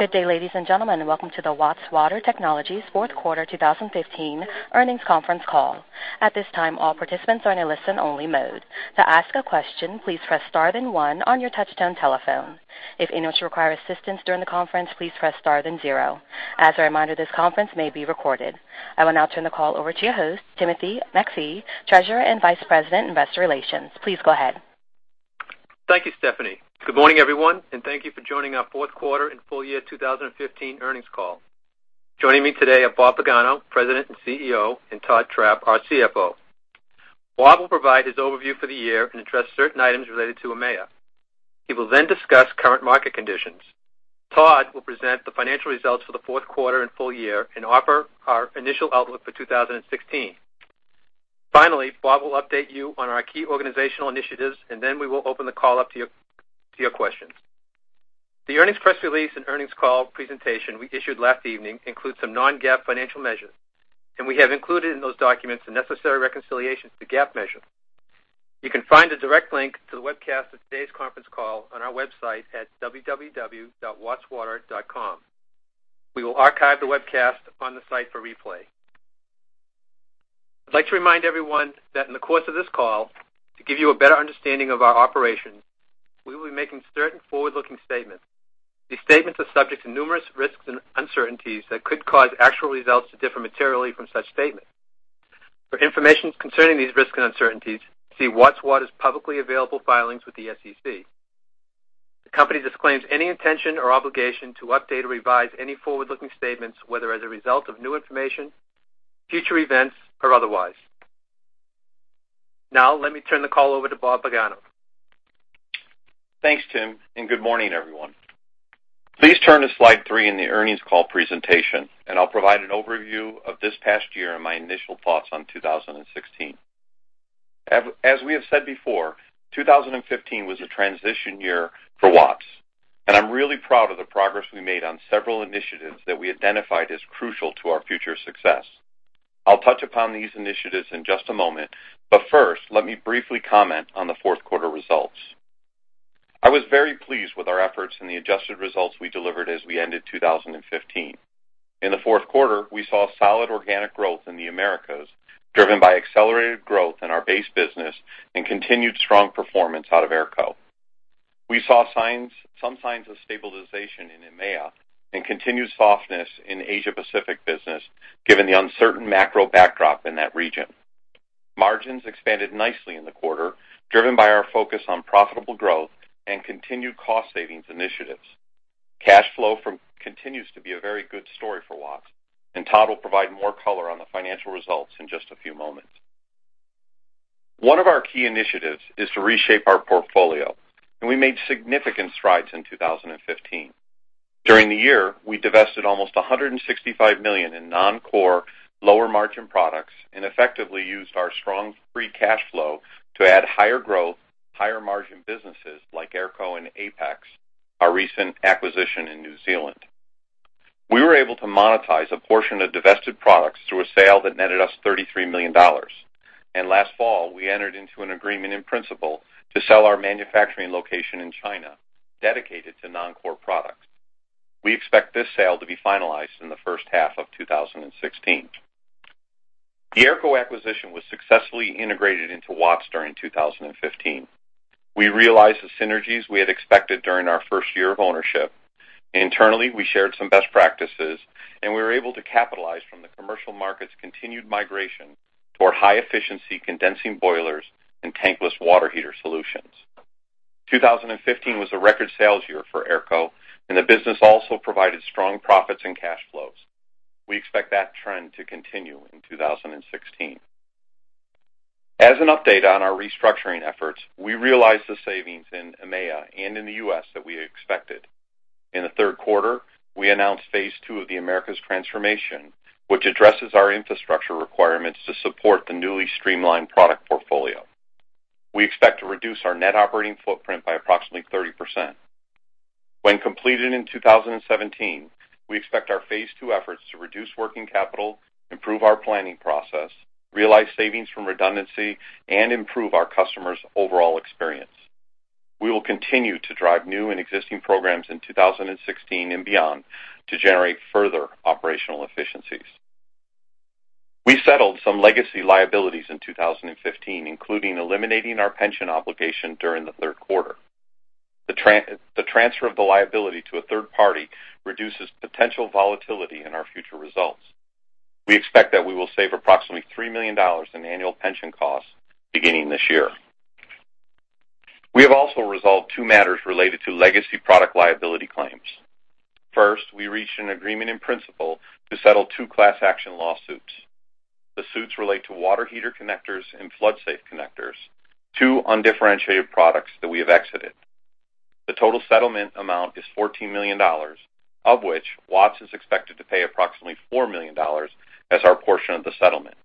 Good day, ladies and gentlemen, and welcome to the Watts Water Technologies Fourth Quarter 2015 Earnings Conference Call. At this time, all participants are in a listen-only mode. To ask a question, please press Star, then one on your touch-tone telephone. If anyone should require assistance during the conference, please press Star, then zero. As a reminder, this conference may be recorded. I will now turn the call over to your host, Timothy MacPhee, Treasurer and Vice President, Investor Relations. Please go ahead. Thank you, Stephanie. Good morning, everyone, and thank you for joining our fourth quarter and full year 2015 earnings call. Joining me today are Bob Pagano, President and CEO, and Todd Trapp, our CFO. Bob will provide his overview for the year and address certain items related to EMEA. He will then discuss current market conditions. Todd will present the financial results for the fourth quarter and full year and offer our initial outlook for 2016. Finally, Bob will update you on our key organizational initiatives, and then we will open the call up to your, to your questions. The earnings press release and earnings call presentation we issued last evening includes some non-GAAP financial measures, and we have included in those documents the necessary reconciliations to GAAP measures. You can find a direct link to the webcast of today's conference call on our website at www.wattswater.com. We will archive the webcast on the site for replay. I'd like to remind everyone that in the course of this call, to give you a better understanding of our operations, we will be making certain forward-looking statements. These statements are subject to numerous risks and uncertainties that could cause actual results to differ materially from such statements. For information concerning these risks and uncertainties, see Watts Water's publicly available filings with the SEC. The company disclaims any intention or obligation to update or revise any forward-looking statements, whether as a result of new information, future events, or otherwise. Now, let me turn the call over to Bob Pagano. Thanks, Tim, and good morning, everyone. Please turn to slide three in the earnings call presentation, and I'll provide an overview of this past year and my initial thoughts on 2016. Even as we have said before, 2015 was a transition year for Watts, and I'm really proud of the progress we made on several initiatives that we identified as crucial to our future success. I'll touch upon these initiatives in just a moment, but first, let me briefly comment on the fourth quarter results. I was very pleased with our efforts and the adjusted results we delivered as we ended 2015. In the fourth quarter, we saw solid organic growth in the Americas, driven by accelerated growth in our base business and continued strong performance out of AERCO. We saw some signs of stabilization in EMEA and continued softness in Asia Pacific business, given the uncertain macro backdrop in that region. Margins expanded nicely in the quarter, driven by our focus on profitable growth and continued cost savings initiatives. Cash flow continues to be a very good story for Watts, and Todd will provide more color on the financial results in just a few moments. One of our key initiatives is to reshape our portfolio, and we made significant strides in 2015. During the year, we divested almost $165 million in non-core, lower-margin products and effectively used our strong free cash flow to add higher-growth, higher-margin businesses like AERCO and Apex, our recent acquisition in New Zealand. We were able to monetize a portion of divested products through a sale that netted us $33 million. Last fall, we entered into an agreement in principle to sell our manufacturing location in China, dedicated to non-core products. We expect this sale to be finalized in the first half of 2016. The AERCO acquisition was successfully integrated into Watts during 2015. We realized the synergies we had expected during our first year of ownership. Internally, we shared some best practices, and we were able to capitalize from the commercial market's continued migration toward high-efficiency condensing boilers and tankless water heater solutions. 2015 was a record sales year for AERCO, and the business also provided strong profits and cash flows. We expect that trend to continue in 2016. As an update on our restructuring efforts, we realized the savings in EMEA and in the U.S. that we had expected. In the third quarter, we announced Phase Two of the Americas transformation, which addresses our infrastructure requirements to support the newly streamlined product portfolio. We expect to reduce our net operating footprint by approximately 30%. When completed in 2017, we expect our Phase Two efforts to reduce working capital, improve our planning process, realize savings from redundancy, and improve our customers' overall experience. We will continue to drive new and existing programs in 2016 and beyond to generate further operational efficiencies. We settled some legacy liabilities in 2015, including eliminating our pension obligation during the third quarter. The transfer of the liability to a third party reduces potential volatility in our future results. We expect that we will save approximately $3 million in annual pension costs beginning this year. We have also resolved two matters related to legacy product liability claims. First, we reached an agreement in principle to settle two class action lawsuits. The suits relate to water heater connectors and FloodSafe connectors, two undifferentiated products that we have exited. The total settlement amount is $14 million, of which Watts is expected to pay approximately $4 million as our portion of the settlement.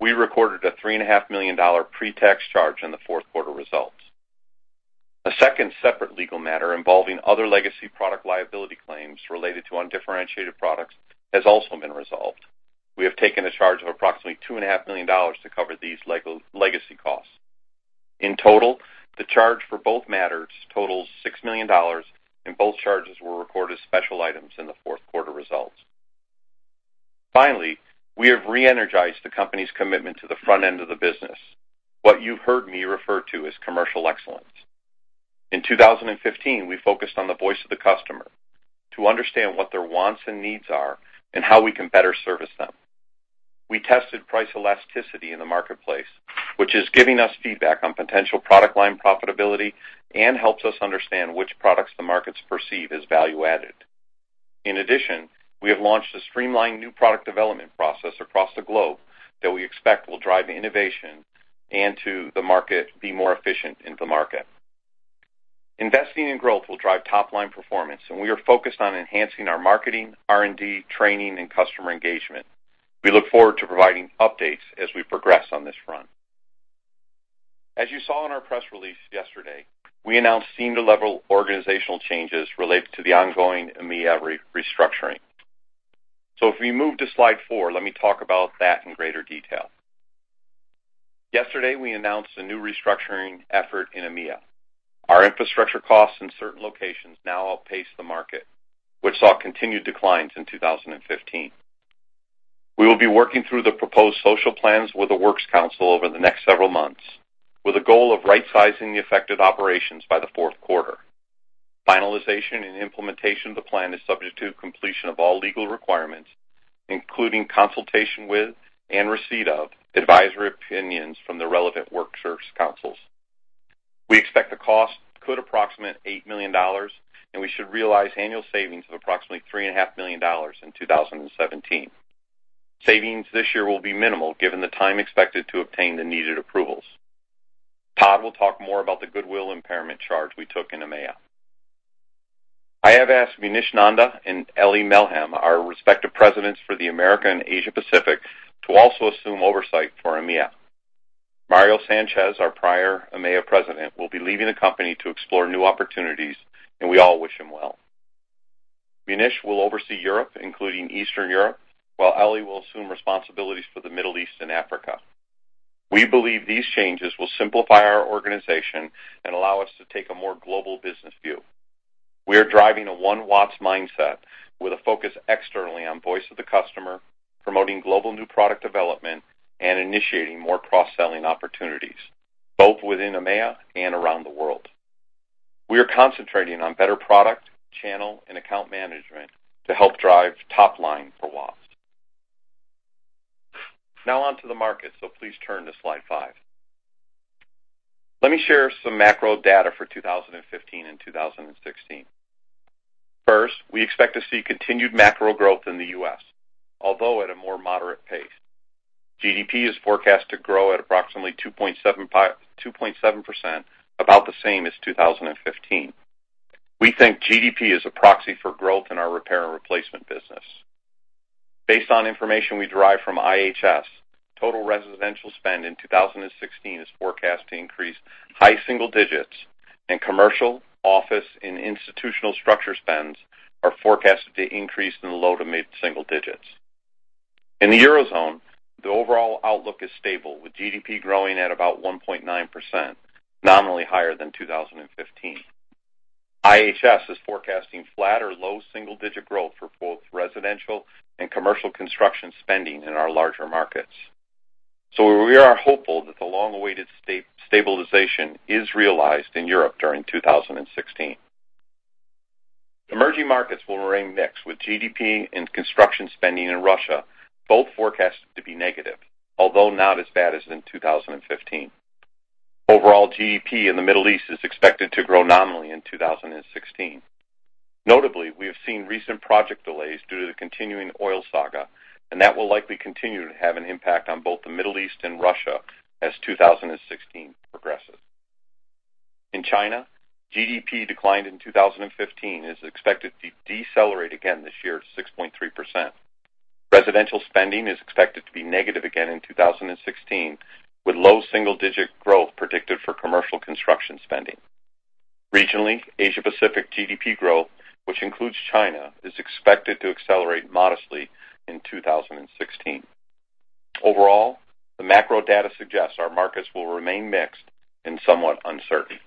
We recorded a $3.5 million pre-tax charge in the fourth quarter results. A second separate legal matter involving other legacy product liability claims related to undifferentiated products has also been resolved. We have taken a charge of approximately $2.5 million to cover these legacy costs. In total, the charge for both matters totals $6 million, and both charges were recorded as special items in the fourth quarter results. Finally, we have reenergized the company's commitment to the front end of the business, what you've heard me refer to as Commercial Excellence. In 2015, we Voice of the Customer to understand what their wants and needs are and how we can better service them. We tested price elasticity in the marketplace, which is giving us feedback on potential product line profitability and helps us understand which products the markets perceive as value-added. In addition, we have launched a streamlined new product development process across the globe that we expect will drive innovation and to the market, be more efficient in the market. Investing in growth will drive top-line performance, and we are focused on enhancing our marketing, R&D, training, and customer engagement. We look forward to providing updates as we progress on this front. As you saw in our press release yesterday, we announced senior-level organizational changes related to the ongoing EMEA restructuring. So if we move to slide four, let me talk about that in greater detail. Yesterday, we announced a new restructuring effort in EMEA. Our infrastructure costs in certain locations now outpace the market, which saw continued declines in 2015. We will be working through the proposed social plans with the Works Council over the next several months, with a goal of rightsizing the affected operations by the fourth quarter. Finalization and implementation of the plan is subject to completion of all legal requirements, including consultation with and receipt of advisory opinions from the relevant Works Councils. We expect the cost could approximate $8 million, and we should realize annual savings of approximately $3.5 million in 2017. Savings this year will be minimal, given the time expected to obtain the needed approvals. Todd will talk more about the goodwill impairment charge we took in EMEA. I have asked Munish Nanda and Elie Melhem, our respective presidents for the Americas and Asia Pacific, to also assume oversight for EMEA. Mario Sanchez, our prior EMEA president, will be leaving the company to explore new opportunities, and we all wish him well. Munish will oversee Europe, including Eastern Europe, while Elie will assume responsibilities for the Middle East and Africa. We believe these changes will simplify our organization and allow us to take a more global business view. We are driving One Watts mindset with a Voice of the Customer, promoting global new product development, and initiating more cross-selling opportunities, both within EMEA and around the world. We are concentrating on better product, channel, and account management to help drive top line for Watts. Now on to the market, so please turn to slide five. Let me share some macro data for 2015 and 2016. First, we expect to see continued macro growth in the U.S., although at a more moderate pace. GDP is forecast to grow at approximately 2.75% to 2.7%, about the same as 2015. We think GDP is a proxy for growth in our repair and replacement business. Based on information we derive from IHS, total residential spend in 2016 is forecast to increase high single digits, and commercial, office, and institutional structure spends are forecasted to increase in the low to mid-single digits. In the Eurozone, the overall outlook is stable, with GDP growing at about 1.9%, nominally higher than 2015. IHS is forecasting flat or low single-digit growth for both residential and commercial construction spending in our larger markets. So we are hopeful that the long-awaited stabilization is realized in Europe during 2016. Emerging markets will remain mixed, with GDP and construction spending in Russia both forecasted to be negative, although not as bad as in 2015. Overall, GDP in the Middle East is expected to grow nominally in 2016. Notably, we have seen recent project delays due to the continuing oil saga, and that will likely continue to have an impact on both the Middle East and Russia as 2016 progresses. In China, GDP declined in 2015 and is expected to decelerate again this year to 6.3%. Residential spending is expected to be negative again in 2016, with low single-digit growth predicted for commercial construction spending. Regionally, Asia Pacific GDP growth, which includes China, is expected to accelerate modestly in 2016. Overall, the macro data suggests our markets will remain mixed and somewhat uncertain.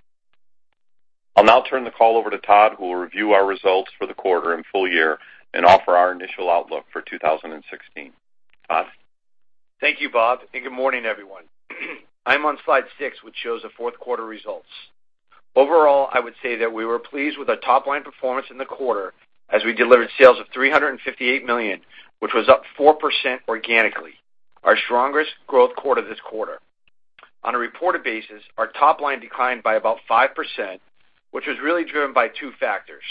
I'll now turn the call over to Todd, who will review our results for the quarter and full year and offer our initial outlook for 2016. Todd? Thank you, Bob, and good morning, everyone. I'm on slide 6, which shows the fourth quarter results. Overall, I would say that we were pleased with our top-line performance in the quarter, as we delivered sales of $358 million, which was up 4% organically, our strongest growth quarter this quarter. On a reported basis, our top line declined by about 5%, which was really driven by two factors.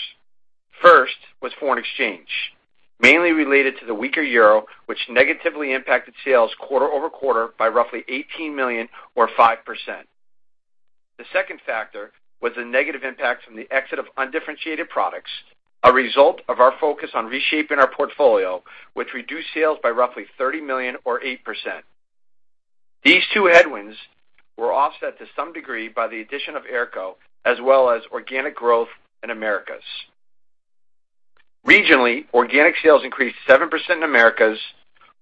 First was foreign exchange, mainly related to the weaker euro, which negatively impacted sales quarter-over-quarter by roughly $18 million or 5%. The second factor was the negative impact from the exit of undifferentiated products, a result of our focus on reshaping our portfolio, which reduced sales by roughly $30 million or 8%. These two headwinds were offset to some degree by the addition of AERCO, as well as organic growth in Americas.... Regionally, organic sales increased 7% in Americas,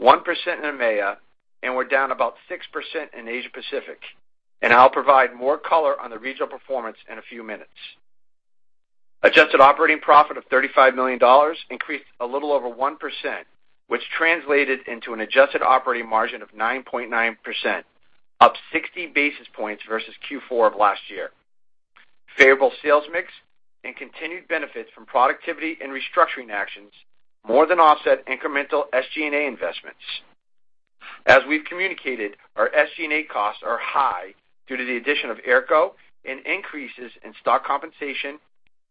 1% in EMEA, and were down about 6% in Asia Pacific, and I'll provide more color on the regional performance in a few minutes. Adjusted operating profit of $35 million increased a little over 1%, which translated into an adjusted operating margin of 9.9%, up 60 basis points versus Q4 of last year. Favorable sales mix and continued benefits from productivity and restructuring actions more than offset incremental SG&A investments. As we've communicated, our SG&A costs are high due to the addition of AERCO and increases in stock compensation,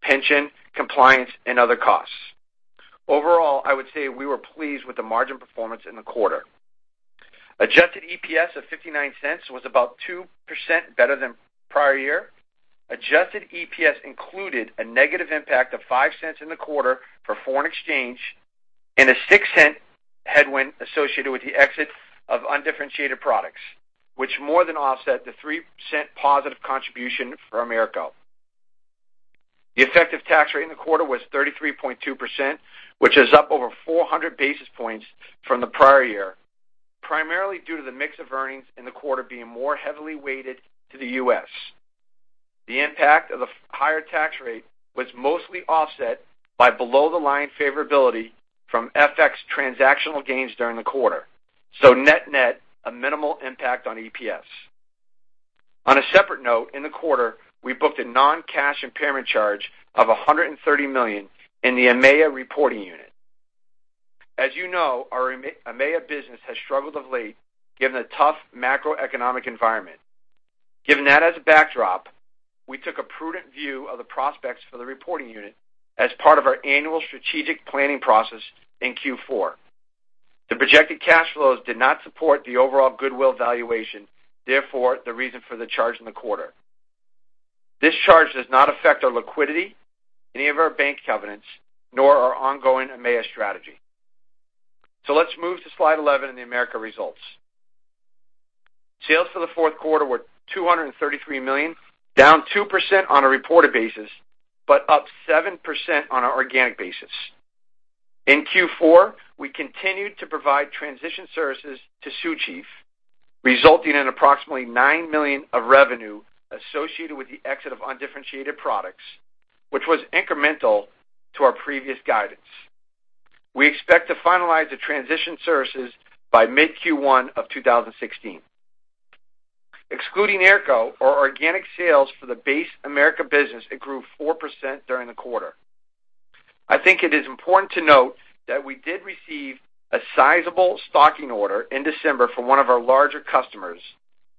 pension, compliance, and other costs. Overall, I would say we were pleased with the margin performance in the quarter. Adjusted EPS of $0.59 was about 2% better than prior year. Adjusted EPS included a negative impact of $0.05 in the quarter for foreign exchange and a $0.06 headwind associated with the exit of undifferentiated products, which more than offset the 3% positive contribution from AERCO. The effective tax rate in the quarter was 33.2%, which is up over 400 basis points from the prior year, primarily due to the mix of earnings in the quarter being more heavily weighted to the US. The impact of the higher tax rate was mostly offset by below-the-line favorability from FX transactional gains during the quarter. So net-net, a minimal impact on EPS. On a separate note, in the quarter, we booked a non-cash impairment charge of $130 million in the EMEA reporting unit. As you know, our EMEA business has struggled of late, given the tough macroeconomic environment. Given that as a backdrop, we took a prudent view of the prospects for the reporting unit as part of our annual strategic planning process in Q4. The projected cash flows did not support the overall goodwill valuation, therefore, the reason for the charge in the quarter. This charge does not affect our liquidity, any of our bank covenants, nor our ongoing EMEA strategy. So let's move to slide 11 in the Americas results. Sales for the fourth quarter were $233 million, down 2% on a reported basis, but up 7% on an organic basis. In Q4, we continued to provide transition services to Sioux Chief, resulting in approximately $9 million of revenue associated with the exit of undifferentiated products, which was incremental to our previous guidance. We expect to finalize the transition services by mid-Q1 of 2016. Excluding AERCO, our organic sales for the base Americas business grew 4% during the quarter. I think it is important to note that we did receive a sizable stocking order in December from one of our larger customers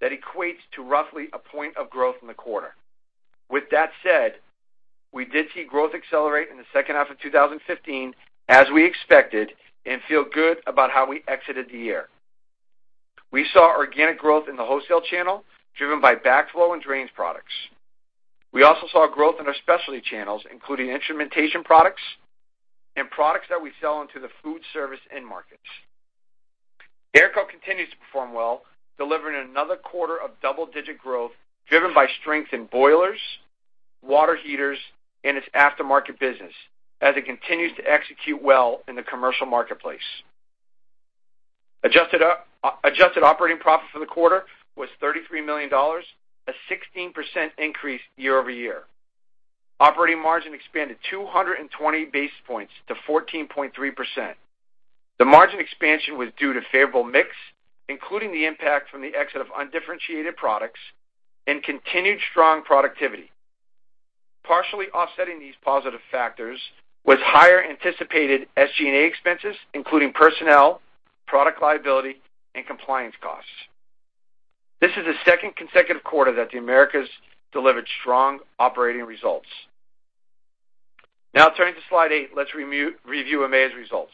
that equates to roughly a point of growth in the quarter. With that said, we did see growth accelerate in the second half of 2015, as we expected, and feel good about how we exited the year. We saw organic growth in the wholesale channel, driven by backflow and drains products. We also saw growth in our specialty channels, including instrumentation products and products that we sell into the food service end markets. AERCO continues to perform well, delivering another quarter of double-digit growth, driven by strength in boilers, water heaters, and its aftermarket business, as it continues to execute well in the commercial marketplace. Adjusted operating profit for the quarter was $33 million, a 16% increase year-over-year. Operating margin expanded 220 basis points to 14.3%. The margin expansion was due to favorable mix, including the impact from the exit of undifferentiated products and continued strong productivity. Partially offsetting these positive factors was higher anticipated SG&A expenses, including personnel, product liability, and compliance costs. This is the second consecutive quarter that the Americas delivered strong operating results. Now turning to slide eight, let's review EMEA's results.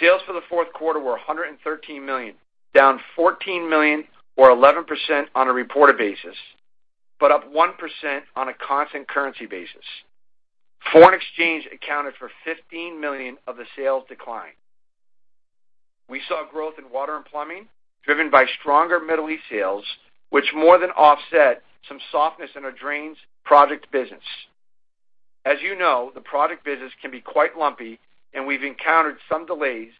Sales for the fourth quarter were $113 million, down $14 million or 11% on a reported basis, but up 1% on a constant currency basis. Foreign exchange accounted for $15 million of the sales decline. We saw growth in water and plumbing, driven by stronger Middle East sales, which more than offset some softness in our drains product business. As you know, the product business can be quite lumpy, and we've encountered some delays,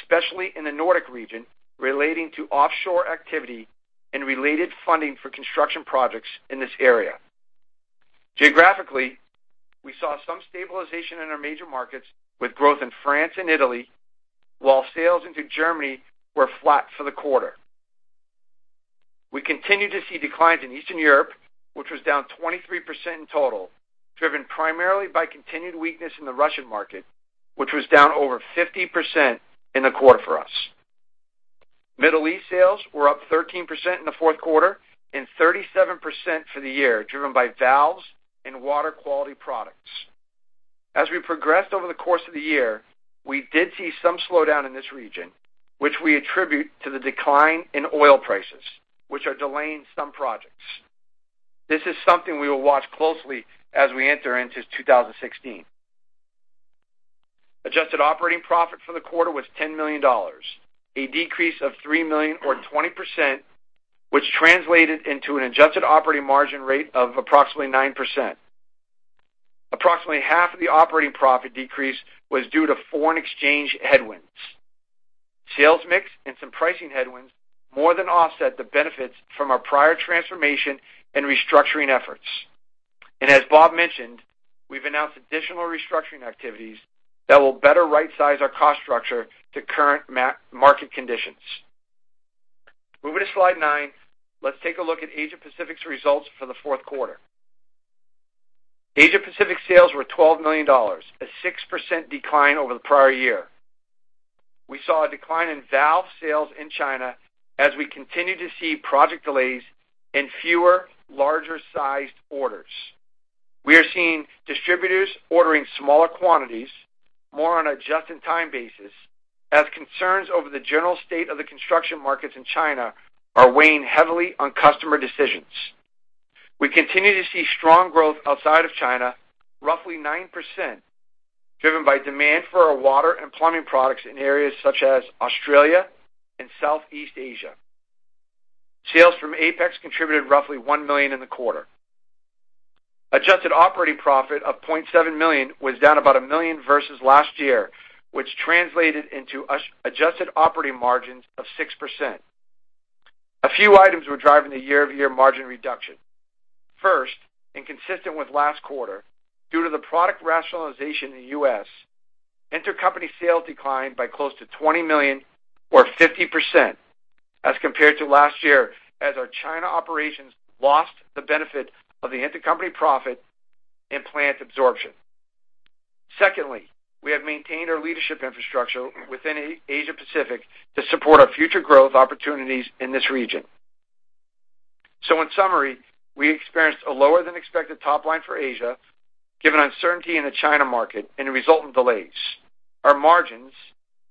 especially in the Nordic region, relating to offshore activity and related funding for construction projects in this area. Geographically, we saw some stabilization in our major markets, with growth in France and Italy, while sales into Germany were flat for the quarter. We continue to see declines in Eastern Europe, which was down 23% in total, driven primarily by continued weakness in the Russian market, which was down over 50% in the quarter for us. Middle East sales were up 13% in the fourth quarter and 37% for the year, driven by valves and water quality products. As we progressed over the course of the year, we did see some slowdown in this region, which we attribute to the decline in oil prices, which are delaying some projects. This is something we will watch closely as we enter into 2016. Adjusted operating profit for the quarter was $10 million, a decrease of $3 million or 20%, which translated into an adjusted operating margin rate of approximately 9%. Approximately half of the operating profit decrease was due to foreign exchange headwinds. Sales mix and some pricing headwinds more than offset the benefits from our prior transformation and restructuring efforts. And as Bob mentioned, we've announced additional restructuring activities that will better rightsize our cost structure to current market conditions. Moving to Slide nine, let's take a look at Asia Pacific's results for the fourth quarter. Asia Pacific sales were $12 million, a 6% decline over the prior year. We saw a decline in valve sales in China as we continue to see project delays and fewer larger-sized orders. We are seeing distributors ordering smaller quantities, more on a just-in-time basis, as concerns over the general state of the construction markets in China are weighing heavily on customer decisions. We continue to see strong growth outside of China, roughly 9%, driven by demand for our water and plumbing products in areas such as Australia and Southeast Asia. Sales from Apex contributed roughly $1 million in the quarter. Adjusted operating profit of $0.7 million was down about $1 million versus last year, which translated into our adjusted operating margins of 6%. A few items were driving the year-over-year margin reduction. First, and consistent with last quarter, due to the product rationalization in the U.S., intercompany sales declined by close to $20 million, or 50%, as compared to last year, as our China operations lost the benefit of the intercompany profit and plant absorption. Secondly, we have maintained our leadership infrastructure within Asia Pacific to support our future growth opportunities in this region. So in summary, we experienced a lower-than-expected top line for Asia, given uncertainty in the China market and the resultant delays. Our margins,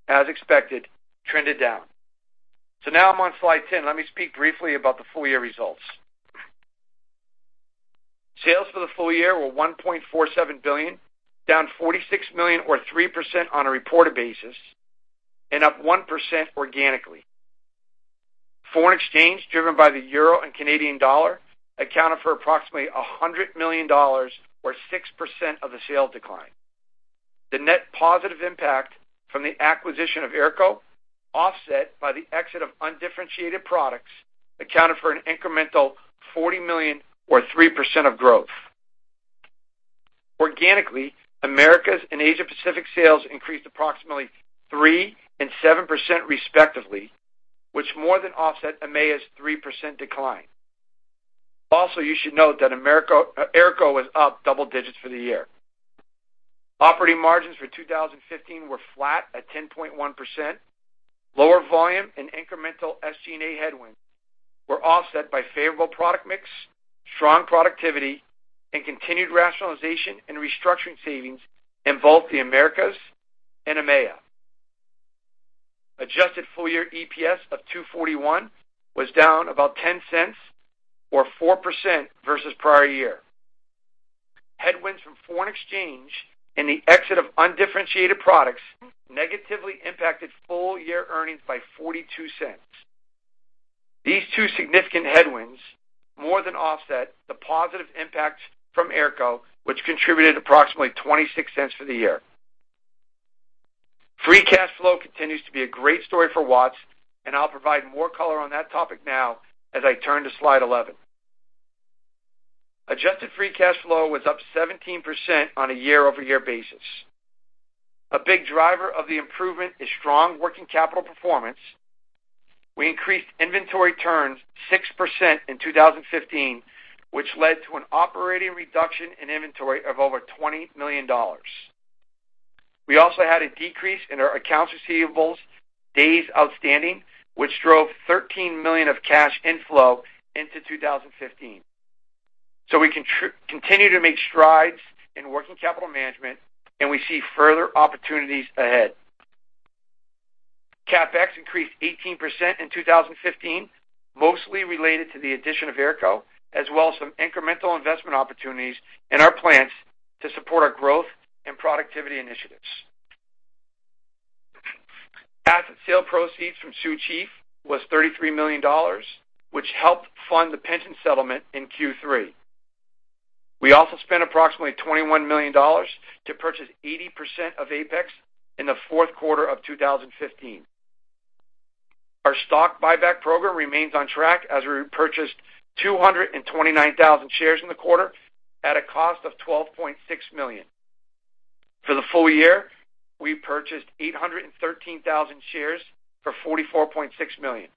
as expected, trended down. So now I'm on Slide 10. Let me speak briefly about the full year results. Sales for the full year were $1.47 billion, down $46 million or 3% on a reported basis, and up 1% organically. Foreign exchange, driven by the euro and Canadian dollar, accounted for approximately $100 million, or 6% of the sales decline. The net positive impact from the acquisition of AERCO, offset by the exit of undifferentiated products, accounted for an incremental $40 million or 3% of growth. Organically, Americas and Asia Pacific sales increased approximately 3% and 7%, respectively, which more than offset EMEA's 3% decline. Also, you should note that AERCO was up double digits for the year. Operating margins for 2015 were flat at 10.1%. Lower volume and incremental SG&A headwinds were offset by favorable product mix, strong productivity, and continued rationalization and restructuring savings in both the Americas and EMEA. Adjusted full-year EPS of $2.41 was down about $0.10, or 4%, versus prior year. Headwinds from foreign exchange and the exit of undifferentiated products negatively impacted full-year earnings by $0.42. These two significant headwinds more than offset the positive impacts from AERCO, which contributed approximately $0.26 for the year. Free cash flow continues to be a great story for Watts, and I'll provide more color on that topic now as I turn to Slide 11. Adjusted free cash flow was up 17% on a year-over-year basis. A big driver of the improvement is strong working capital performance. We increased inventory turns 6% in 2015, which led to an operating reduction in inventory of over $20 million. We also had a decrease in our accounts receivables days outstanding, which drove $13 million of cash inflow into 2015. So we continue to make strides in working capital management, and we see further opportunities ahead. CapEx increased 18% in 2015, mostly related to the addition of AERCO, as well as some incremental investment opportunities in our plants to support our growth and productivity initiatives. Asset sale proceeds from Sioux Chief was $33 million, which helped fund the pension settlement in Q3. We also spent approximately $21 million to purchase 80% of Apex in the fourth quarter of 2015. Our stock buyback program remains on track as we repurchased 229,000 shares in the quarter at a cost of $12.6 million. For the full year, we purchased 813,000 shares for $44.6 million.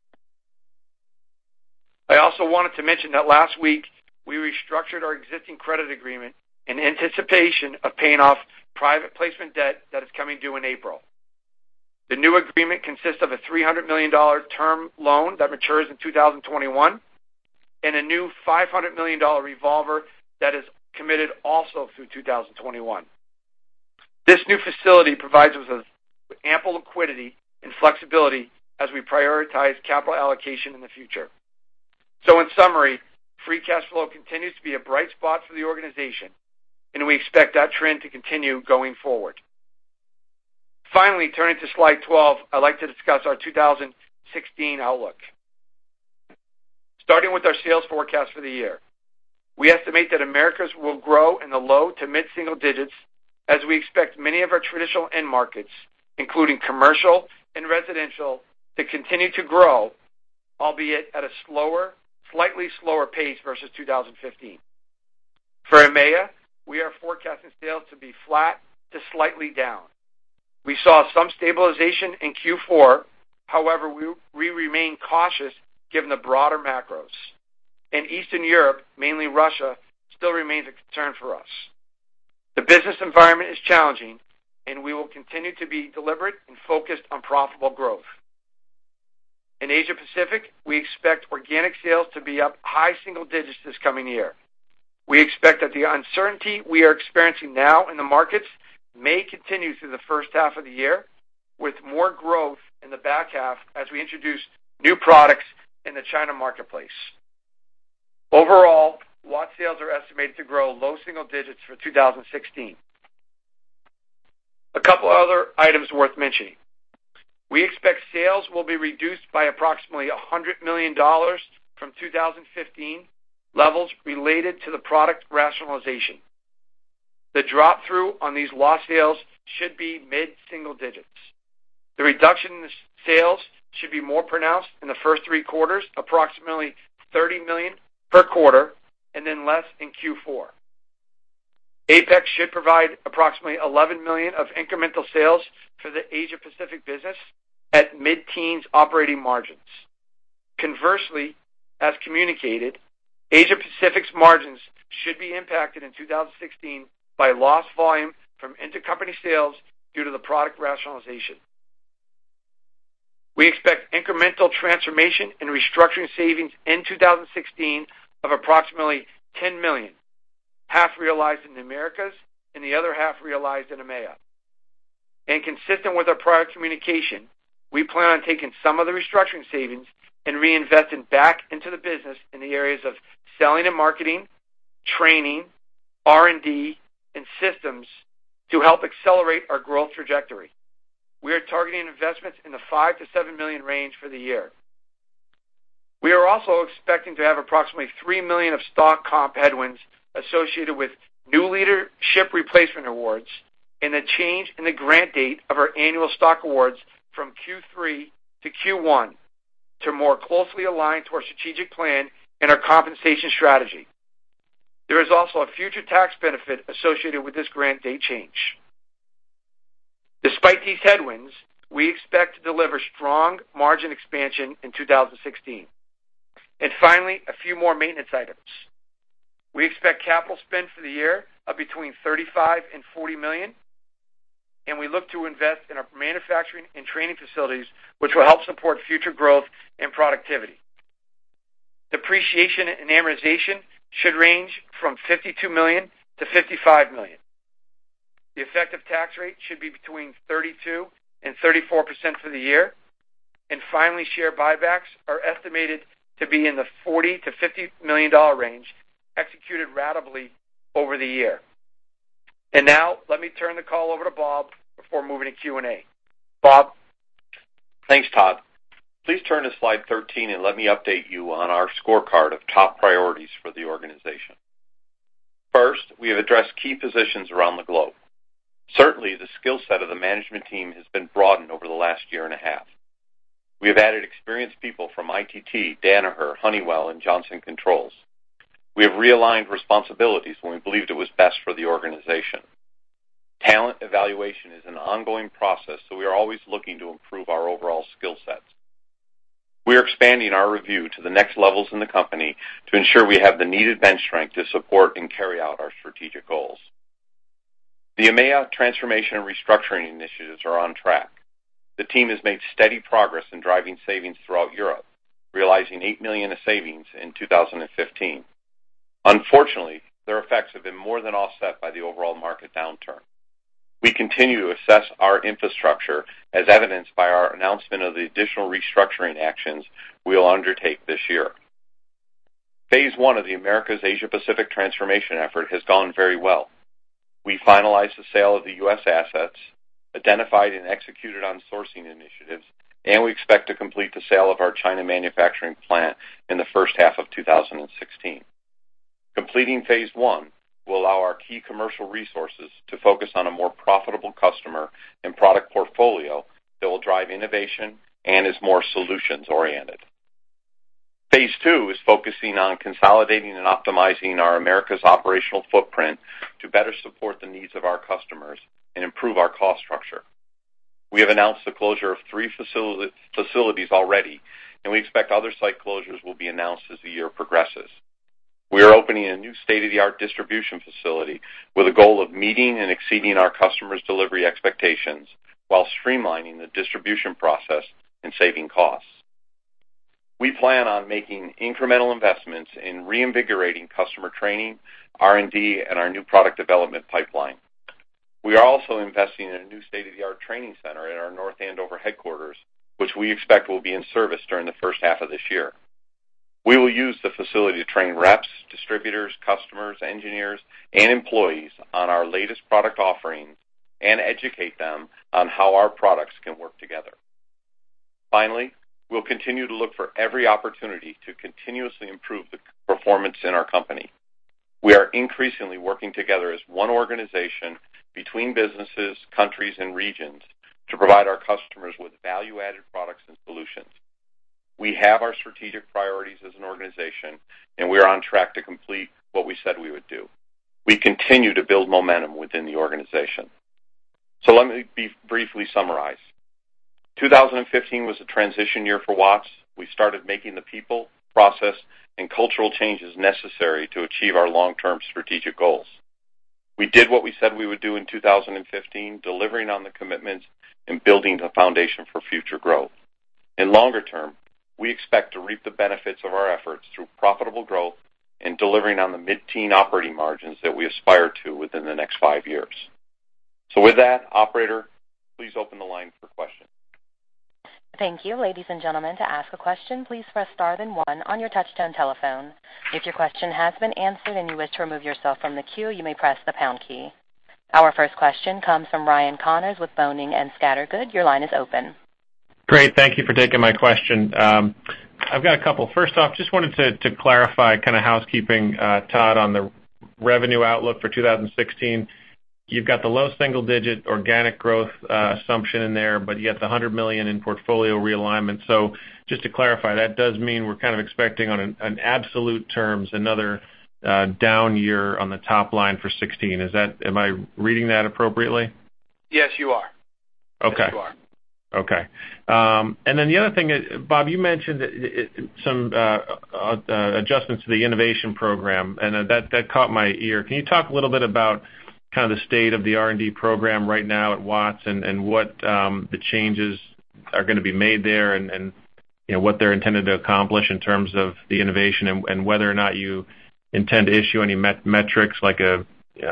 I also wanted to mention that last week, we restructured our existing credit agreement in anticipation of paying off private placement debt that is coming due in April. The new agreement consists of a $300 million term loan that matures in 2021, and a new $500 million revolver that is committed also through 2021. This new facility provides us with ample liquidity and flexibility as we prioritize capital allocation in the future.... So in summary, free cash flow continues to be a bright spot for the organization, and we expect that trend to continue going forward. Finally, turning to slide 12, I'd like to discuss our 2016 outlook. Starting with our sales forecast for the year, we estimate that Americas will grow in the low- to mid-single digits as we expect many of our traditional end markets, including commercial and residential, to continue to grow, albeit at a slower, slightly slower pace versus 2015. For EMEA, we are forecasting sales to be flat to slightly down. We saw some stabilization in Q4, however, we remain cautious given the broader macros. In Eastern Europe, mainly Russia, still remains a concern for us. The business environment is challenging, and we will continue to be deliberate and focused on profitable growth. In Asia Pacific, we expect organic sales to be up high single digits this coming year. We expect that the uncertainty we are experiencing now in the markets may continue through the first half of the year, with more growth in the back half as we introduce new products in the China marketplace. Overall, Watts sales are estimated to grow low single digits for 2016. A couple other items worth mentioning. We expect sales will be reduced by approximately $100 million from 2015 levels related to the product rationalization. The drop-through on these lost sales should be mid-single digits. The reduction in sales should be more pronounced in the first three quarters, approximately $30 million per quarter, and then less in Q4. Apex should provide approximately $11 million of incremental sales for the Asia Pacific business at mid-teens operating margins. Conversely, as communicated, Asia Pacific's margins should be impacted in 2016 by lost volume from intercompany sales due to the product rationalization. We expect incremental transformation and restructuring savings in 2016 of approximately $10 million, half realized in the Americas, and the other half realized in EMEA. Consistent with our prior communication, we plan on taking some of the restructuring savings and reinvesting back into the business in the areas of selling and marketing, training, R&D, and systems to help accelerate our growth trajectory. We are targeting investments in the $5 million to $7 million range for the year. We are also expecting to have approximately $3 million of stock comp headwinds associated with new leadership replacement awards and a change in the grant date of our annual stock awards from Q3 to Q1, to more closely align to our strategic plan and our compensation strategy. There is also a future tax benefit associated with this grant date change. Despite these headwinds, we expect to deliver strong margin expansion in 2016. Finally, a few more maintenance items. We expect capital spend for the year of between $35 million and $40 million, and we look to invest in our manufacturing and training facilities, which will help support future growth and productivity. Depreciation and amortization should range from $52 million to $55 million. The effective tax rate should be between 32% and 34% for the year. And finally, share buybacks are estimated to be in the $40 million to $50 million range, executed ratably over the year. And now, let me turn the call over to Bob before moving to Q&A. Bob? Thanks, Todd. Please turn to slide 13, and let me update you on our scorecard of top priorities for the organization. First, we have addressed key positions around the globe. Certainly, the skill set of the management team has been broadened over the last year and a half. We have added experienced people from ITT, Danaher, Honeywell, and Johnson Controls. We have realigned responsibilities when we believed it was best for the organization. Talent evaluation is an ongoing process, so we are always looking to improve our overall skill sets. We are expanding our review to the next levels in the company to ensure we have the needed bench strength to support and carry out our strategic goals. The EMEA transformation and restructuring initiatives are on track. The team has made steady progress in driving savings throughout Europe, realizing $8 million in savings in 2015. Unfortunately, their effects have been more than offset by the overall market downturn. We continue to assess our infrastructure, as evidenced by our announcement of the additional restructuring actions we will undertake this Phase One of the Americas, Asia Pacific transformation effort has gone very well. We finalized the sale of the U.S. assets, identified and executed on sourcing initiatives, and we expect to complete the sale of our China manufacturing plant in the first half of 2016. Phase One will allow our key commercial resources to focus on a more profitable customer and product portfolio that will drive innovation and is more solutions oriented. Phase Two is focusing on consolidating and optimizing our Americas operational footprint to better support the needs of our customers and improve our cost structure. We have announced the closure of three facilities already, and we expect other site closures will be announced as the year progresses. We are opening a new state-of-the-art distribution facility with a goal of meeting and exceeding our customers' delivery expectations while streamlining the distribution process and saving costs. We plan on making incremental investments in reinvigorating customer training, R&D, and our new product development pipeline.... We are also investing in a new state-of-the-art training center at our North Andover headquarters, which we expect will be in service during the first half of this year. We will use the facility to train reps, distributors, customers, engineers, and employees on our latest product offerings and educate them on how our products can work together. Finally, we'll continue to look for every opportunity to continuously improve the performance in our company. We are increasingly working together as one organization between businesses, countries, and regions to provide our customers with value-added products and solutions. We have our strategic priorities as an organization, and we are on track to complete what we said we would do. We continue to build momentum within the organization. So let me briefly summarize. 2015 was a transition year for Watts. We started making the people, process, and cultural changes necessary to achieve our long-term strategic goals. We did what we said we would do in 2015, delivering on the commitments and building a foundation for future growth. In longer term, we expect to reap the benefits of our efforts through profitable growth and delivering on the mid-teen operating margins that we aspire to within the next five years. So with that, operator, please open the line for questions. Thank you, ladies and gentlemen. To ask a question, please press star then one on your touchtone telephone. If your question has been answered and you wish to remove yourself from the queue, you may press the pound key. Our first question comes from Ryan Connors with Boenning & Scattergood. Your line is open. Great, thank you for taking my question. I've got a couple. First off, just wanted to clarify, kind of housekeeping, Todd, on the revenue outlook for 2016. You've got the low single-digit organic growth assumption in there, but you got the $100 million in portfolio realignment. So just to clarify, that does mean we're kind of expecting on an absolute terms, another down year on the top line for 2016. Is that? Am I reading that appropriately? Yes, you are. Okay. Yes, you are. Okay. And then the other thing is, Bob, you mentioned it, some adjustments to the innovation program, and that caught my ear. Can you talk a little bit about kind of the state of the R&D program right now at Watts and what the changes are gonna be made there and, you know, what they're intended to accomplish in terms of the innovation and whether or not you intend to issue any metrics like a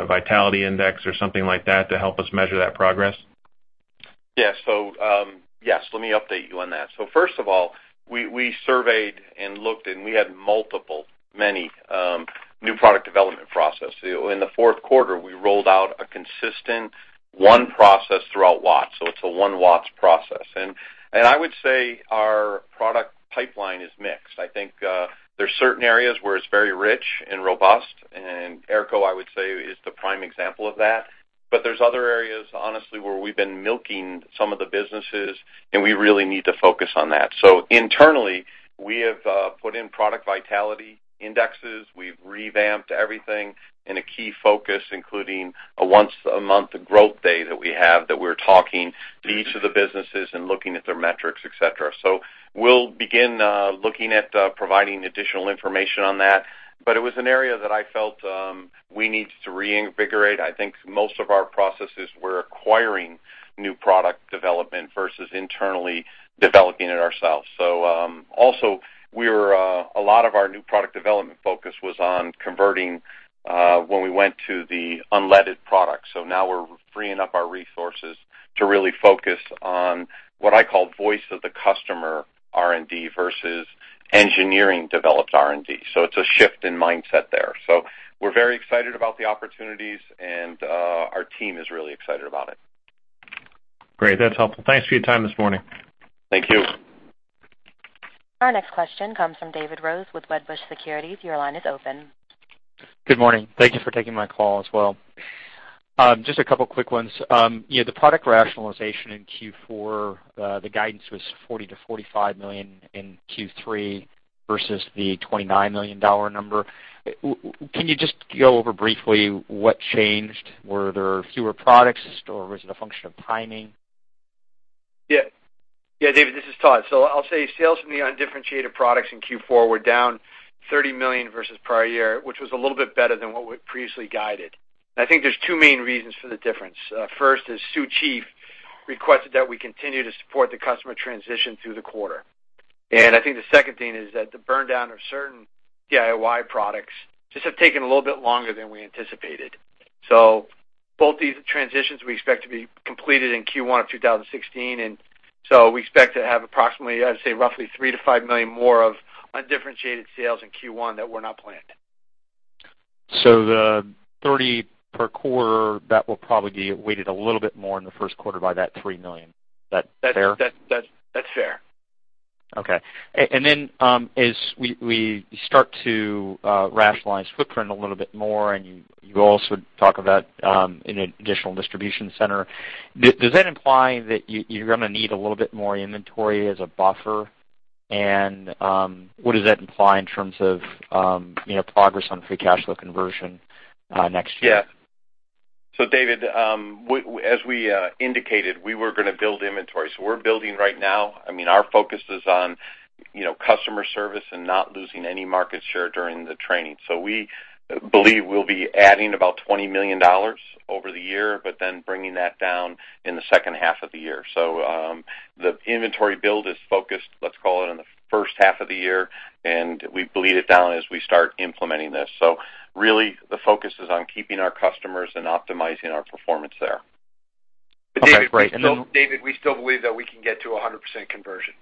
vitality index or something like that to help us measure that progress? Yeah. So, yes, let me update you on that. So first of all, we surveyed and looked, and we had multiple, many new product development processes. In the fourth quarter, we rolled out a consistent one process throughout Watts, so it's One Watts process. And I would say our product pipeline is mixed. I think, there's certain areas where it's very rich and robust, and AERCO, I would say, is the prime example of that. But there's other areas, honestly, where we've been milking some of the businesses, and we really need to focus on that. So internally, we have put in product vitality indexes. We've revamped everything in a key focus, including a once-a-month growth day that we have, that we're talking to each of the businesses and looking at their metrics, et cetera. So we'll begin looking at providing additional information on that, but it was an area that I felt we needed to reinvigorate. I think most of our processes were acquiring new product development versus internally developing it ourselves. So also, we were a lot of our new product development focus was on converting when we went to the unleaded product. So now we're freeing up our resources to really focus on Voice of the Customer R&D versus engineering-developed R&D. So it's a shift in mindset there. So we're very excited about the opportunities, and our team is really excited about it. Great. That's helpful. Thanks for your time this morning. Thank you. Our next question comes from David Rose with Wedbush Securities. Your line is open. Good morning. Thank you for taking my call as well. Just a couple quick ones. You know, the product rationalization in Q4, the guidance was $40 million to $45 million in Q3 versus the $29 million number. Can you just go over briefly what changed? Were there fewer products, or was it a function of timing? Yeah. Yeah, David, this is Todd. So I'll say sales from the undifferentiated products in Q4 were down $30 million versus prior year, which was a little bit better than what we previously guided. I think there's two main reasons for the difference. First is Sioux Chief requested that we continue to support the customer transition through the quarter. And I think the second thing is that the burn down of certain DIY products just have taken a little bit longer than we anticipated. So both these transitions, we expect to be completed in Q1 of 2016, and so we expect to have approximately, I'd say, roughly $3 million to $5 million more of undifferentiated sales in Q1 that were not planned. So the 30 per quarter, that will probably be weighted a little bit more in the first quarter by that $3 million. Is that fair? That's fair. Okay. And then, as we start to rationalize footprint a little bit more, and you also talk about an additional distribution center. Does that imply that you're gonna need a little bit more inventory as a buffer? And, what does that imply in terms of, you know, progress on free cash flow conversion, next year? Yeah. So David, as we indicated, we were gonna build inventory, so we're building right now. I mean, our focus is on, you know, customer service and not losing any market share during the training. So we believe we'll be adding about $20 million over the year, but then bringing that down in the second half of the year. So, the inventory build is focused, let's call it, in the first half of the year, and we bleed it down as we start implementing this. So really, the focus is on keeping our customers and optimizing our performance there. But David, we still, David, we still believe that we can get to a 100% conversion.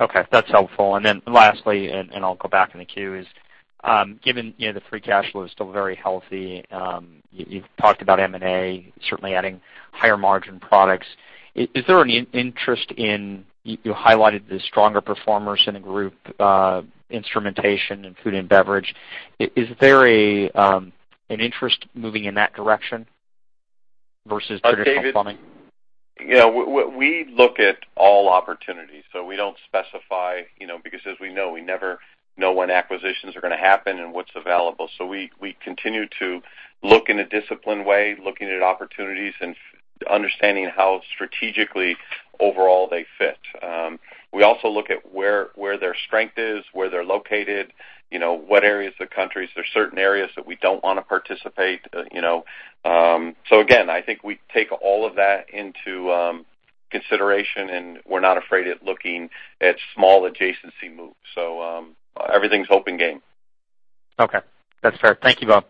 Okay, that's helpful. And then lastly, I'll go back in the queue, given you know, the free cash flow is still very healthy, you've talked about M&A, certainly adding higher margin products. Is there any interest in, you highlighted the stronger performers in the group, instrumentation and food and beverage. Is there an interest moving in that direction versus traditional plumbing? David, we look at all opportunities, so we don't specify, you know, because as we know, we never know when acquisitions are gonna happen and what's available. So we continue to look in a disciplined way, looking at opportunities and understanding how strategically, overall they fit. We also look at where their strength is, where they're located, you know, what areas of the countries. There are certain areas that we don't wanna participate, you know. So again, I think we take all of that into consideration, and we're not afraid at looking at small adjacency moves. So, everything's open game. Okay. That's fair. Thank you, Bob.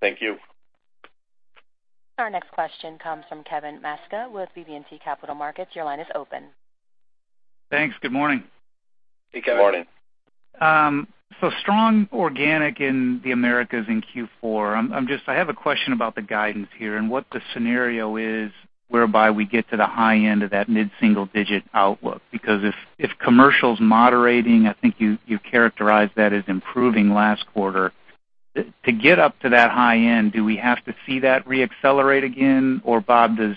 Thank you. Our next question comes from Kevin Maczka with BB&T Capital Markets. Your line is open. Thanks. Good morning. Hey, Kevin. Good morning. So strong organic in the Americas in Q4. I'm just. I have a question about the guidance here and what the scenario is, whereby we get to the high end of that mid-single digit outlook. Because if commercial's moderating, I think you characterized that as improving last quarter. To get up to that high end, do we have to see that reaccelerate again? Or, Bob, does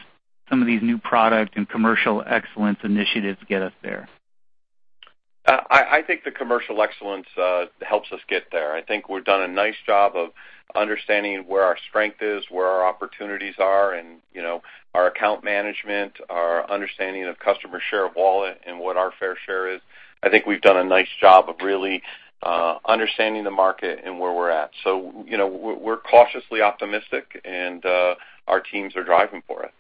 some of these new product Commercial Excellence initiatives get us there? I think Commercial Excellence helps us get there. I think we've done a nice job of understanding where our strength is, where our opportunities are, and, you know, our account management, our understanding of customer share of wallet and what our fair share is. I think we've done a nice job of really understanding the market and where we're at. So, you know, we're cautiously optimistic and our teams are driving for it.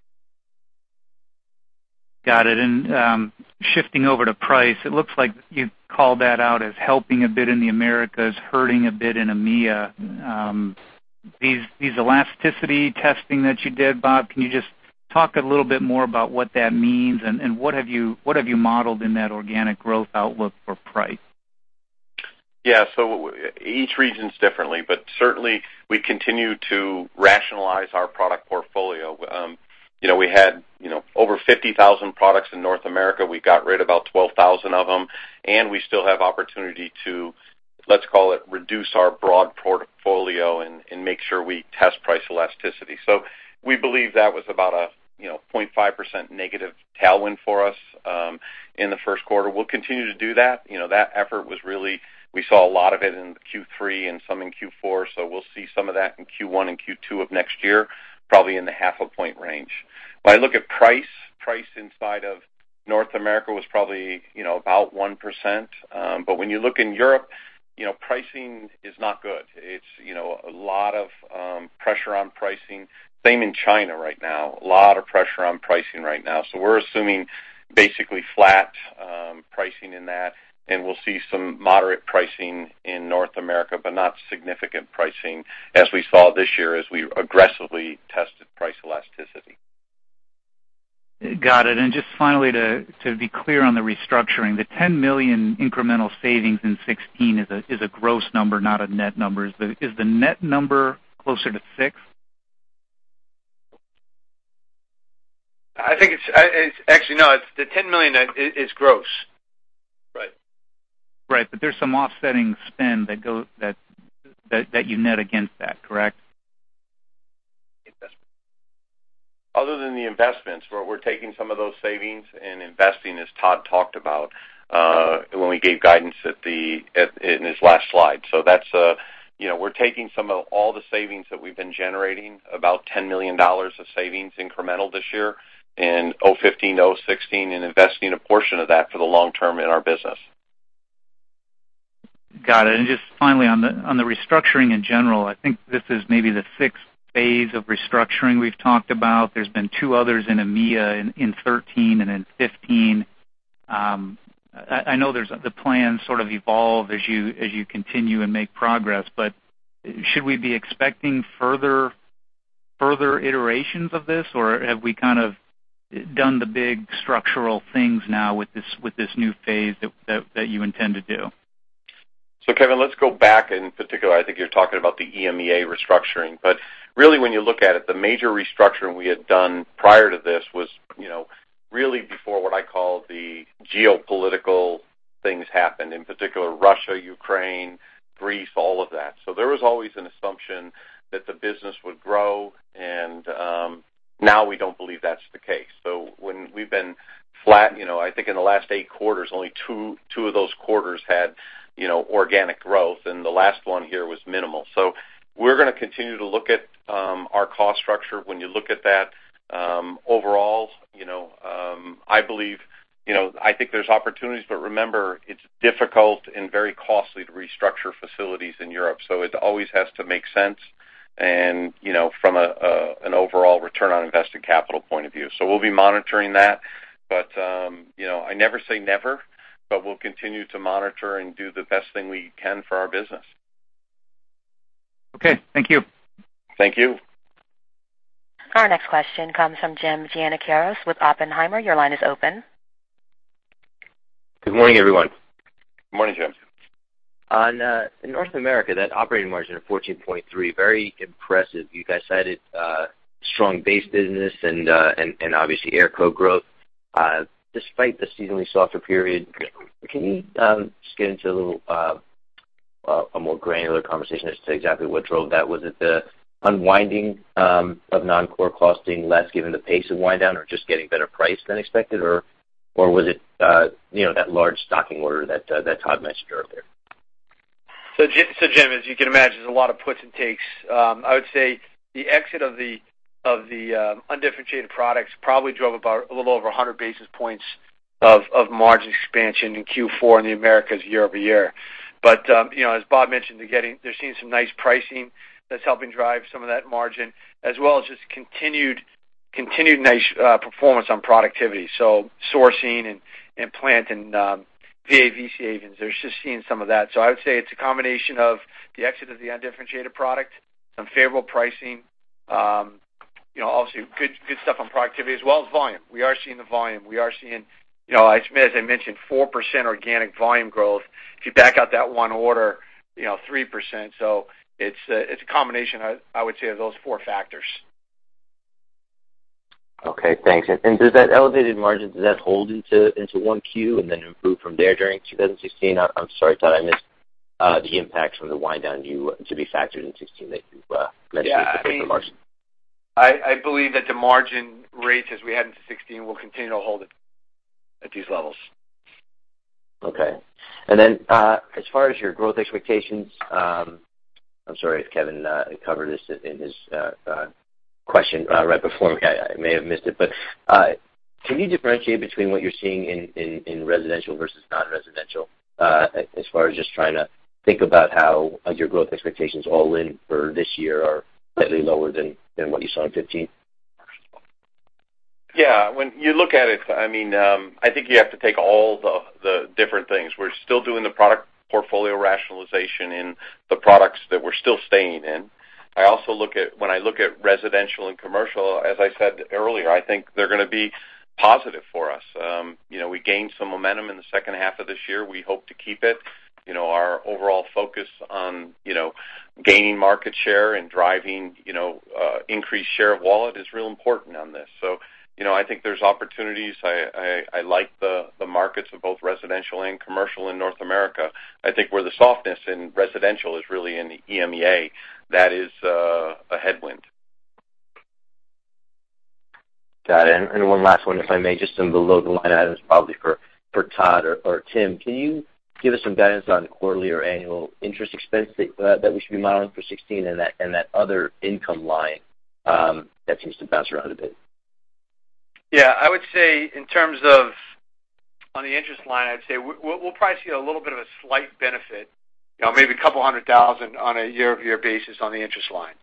Got it. And, shifting over to price, it looks like you called that out as helping a bit in the Americas, hurting a bit in EMEA. These elasticity testing that you did, Bob, can you just talk a little bit more about what that means, and what have you modeled in that organic growth outlook for price? Yeah, so each region's differently, but certainly we continue to rationalize our product portfolio. You know, we had, you know, over 50,000 products in North America. We got rid of about 12,000 of them, and we still have opportunity to, let's call it, reduce our broad portfolio and, and make sure we test price elasticity. So we believe that was about a, you know, 0.5% negative tailwind for us in the first quarter. We'll continue to do that. You know, that effort was really, we saw a lot of it in Q3 and some in Q4, so we'll see some of that in Q1 and Q2 of next year, probably in the 0.5-point range. When I look at price, price inside of North America was probably, you know, about 1%. But when you look in Europe, you know, pricing is not good. It's, you know, a lot of pressure on pricing. Same in China right now, a lot of pressure on pricing right now. So we're assuming basically flat pricing in that, and we'll see some moderate pricing in North America, but not significant pricing as we saw this year as we aggressively tested price elasticity. Got it. And just finally, to be clear on the restructuring, the $10 million incremental savings in 2016 is a gross number, not a net number. Is the net number closer to $6 million? I think it's actually no, it's the $10 million is gross. Right. Right. But there's some offsetting spend that go, that you net against that, correct? Other than the investments, we're taking some of those savings and investing, as Todd talked about, when we gave guidance in his last slide. So that's, you know, we're taking some of all the savings that we've been generating, about $10 million of savings incremental this year in 2015, 2016, and investing a portion of that for the long term in our business. Got it. And just finally, on the restructuring in general, I think this is maybe the sixth phase of restructuring we've talked about. There's been two others in EMEA, in 2013 and in 2015. I know there's the plan sort of evolve as you continue and make progress, but should we be expecting further iterations of this, or have we kind of done the big structural things now with this new phase that you intend to do? So Kevin, let's go back, and particularly, I think you're talking about the EMEA restructuring. But really, when you look at it, the major restructuring we had done prior to this was, you know, really before what I call the geopolitical things happened, in particular, Russia, Ukraine, Greece, all of that. So there was always an assumption that the business would grow, and now we don't believe that's the case. So when we've been flat, you know, I think in the last eight quarters, only two, two of those quarters had, you know, organic growth, and the last one here was minimal. So we're gonna continue to look at our cost structure. When you look at that, overall, you know, I believe, you know, I think there's opportunities, but remember, it's difficult and very costly to restructure facilities in Europe, so it always has to make sense and, you know, from an overall return on invested capital point of view. So we'll be monitoring that, but, you know, I never say never, but we'll continue to monitor and do the best thing we can for our business.... Okay, thank you. Thank you. Our next question comes from Jim Giannakaros with Oppenheimer. Your line is open. Good morning, everyone. Good morning, Jim. In North America, that operating margin of 14.3, very impressive. You guys cited strong base business and obviously AERCO growth. Despite the seasonally softer period, can you just get into a little a more granular conversation as to exactly what drove that? Was it the unwinding of non-core costing less, given the pace of wind down, or just getting better price than expected? Or was it, you know, that large stocking order that that Todd mentioned earlier? So Jim, as you can imagine, there's a lot of puts and takes. I would say the exit of the undifferentiated products probably drove about a little over 100 basis points of margin expansion in Q4 in the Americas year-over-year. But, you know, as Bob mentioned, they're getting-- they're seeing some nice pricing that's helping drive some of that margin, as well as just continued nice performance on productivity. So sourcing and plant and VA/VE projects, they're just seeing some of that. So I would say it's a combination of the exit of the undifferentiated product, some favorable pricing, you know, obviously good stuff on productivity as well as volume. We are seeing the volume. We are seeing, you know, as I mentioned, 4% organic volume growth. If you back out that one order, you know, 3%. So it's a, it's a combination, I, I would say, of those four factors. Okay, thanks. And does that elevated margin hold into Q1 and then improve from there during 2016? I'm sorry, Todd, I missed the impact from the wind down to be factored in 2016 that you mentioned with the margin. I believe that the margin rates as we head into 2016 will continue to hold at these levels. Okay. And then, as far as your growth expectations, I'm sorry if Kevin covered this in his question right before me. I may have missed it. But, can you differentiate between what you're seeing in residential versus non-residential, as far as just trying to think about how your growth expectations all in for this year are slightly lower than what you saw in 2015? Yeah. When you look at it, I mean, I think you have to take all the different things. We're still doing the product portfolio rationalization in the products that we're still staying in. I also look at residential and commercial, as I said earlier, I think they're gonna be positive for us. You know, we gained some momentum in the second half of this year. We hope to keep it. You know, our overall focus on gaining market share and driving increased share of wallet is real important on this. So, you know, I think there's opportunities. I like the markets of both residential and commercial in North America. I think where the softness in residential is really in the EMEA. That is a headwind. Got it. And one last one, if I may, just some of the below-the-line items, probably for Todd or Tim. Can you give us some guidance on the quarterly or annual interest expense that we should be modeling for 2016, and that other income line that seems to bounce around a bit? Yeah, I would say in terms of... On the interest line, I'd say we'll probably see a little bit of a slight benefit, you know, maybe $200,000 on a year-over-year basis on the interest line.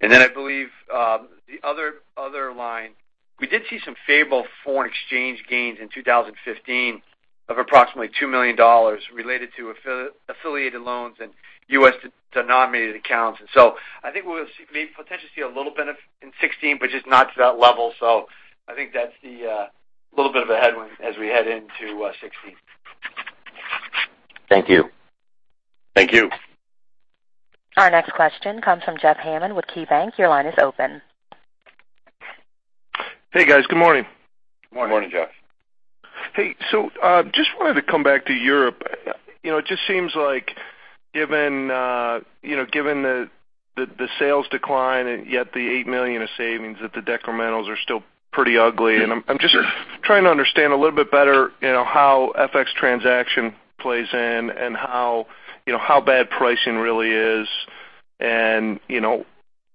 And then I believe the other line, we did see some favorable foreign exchange gains in 2015 of approximately $2 million related to affiliated loans and U.S. denominated accounts. And so I think we'll see, maybe potentially see a little benefit in 2016, but just not to that level. So I think that's the little bit of a headwind as we head into 2016. Thank you. Thank you. Our next question comes from Jeff Hammond with KeyBanc. Your line is open. Hey, guys. Good morning. Good morning, Jeff. Hey, so, just wanted to come back to Europe. You know, it just seems like given, you know, given the sales decline and yet the $8 million of savings, that the decrementals are still pretty ugly. And I'm just trying to understand a little bit better, you know, how FX transaction plays in and how, you know, how bad pricing really is. And, you know,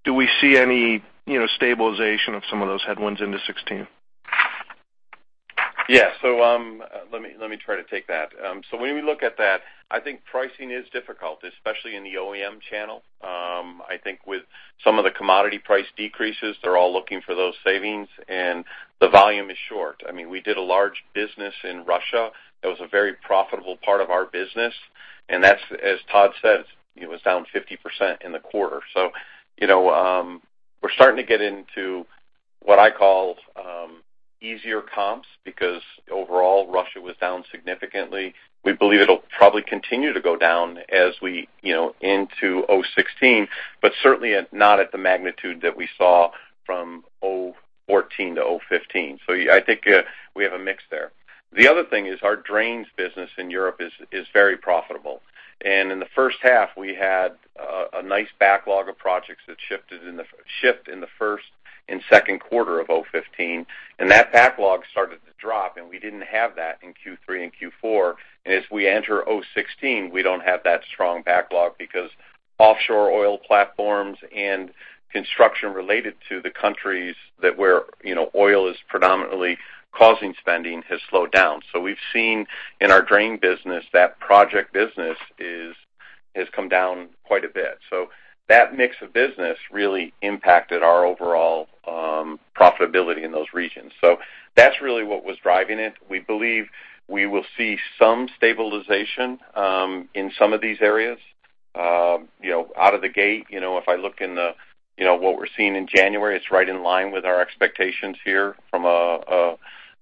do we see any, you know, stabilization of some of those headwinds into 2016? Yeah. So, let me try to take that. So when we look at that, I think pricing is difficult, especially in the OEM channel. I think with some of the commodity price decreases, they're all looking for those savings, and the volume is short. I mean, we did a large business in Russia that was a very profitable part of our business, and that's, as Todd said, it was down 50% in the quarter. So, you know, we're starting to get into what I call, easier comps, because overall, Russia was down significantly. We believe it'll probably continue to go down as we, you know, into 2016, but certainly at, not at the magnitude that we saw from 2014 to 2015. So I think, we have a mix there. The other thing is our drains business in Europe is very profitable. In the first half, we had a nice backlog of projects that shipped in the first and second quarter of 2015, and that backlog started to drop, and we didn't have that in Q3 and Q4. As we enter 2016, we don't have that strong backlog because offshore oil platforms and construction related to the countries that where, you know, oil is predominantly causing spending, has slowed down. So we've seen in our drain business, that project business has come down quite a bit. So that mix of business really impacted our overall profitability in those regions. So that's really what was driving it. We believe we will see some stabilization in some of these areas. You know, out of the gate, you know, if I look in the, you know, what we're seeing in January, it's right in line with our expectations here from a,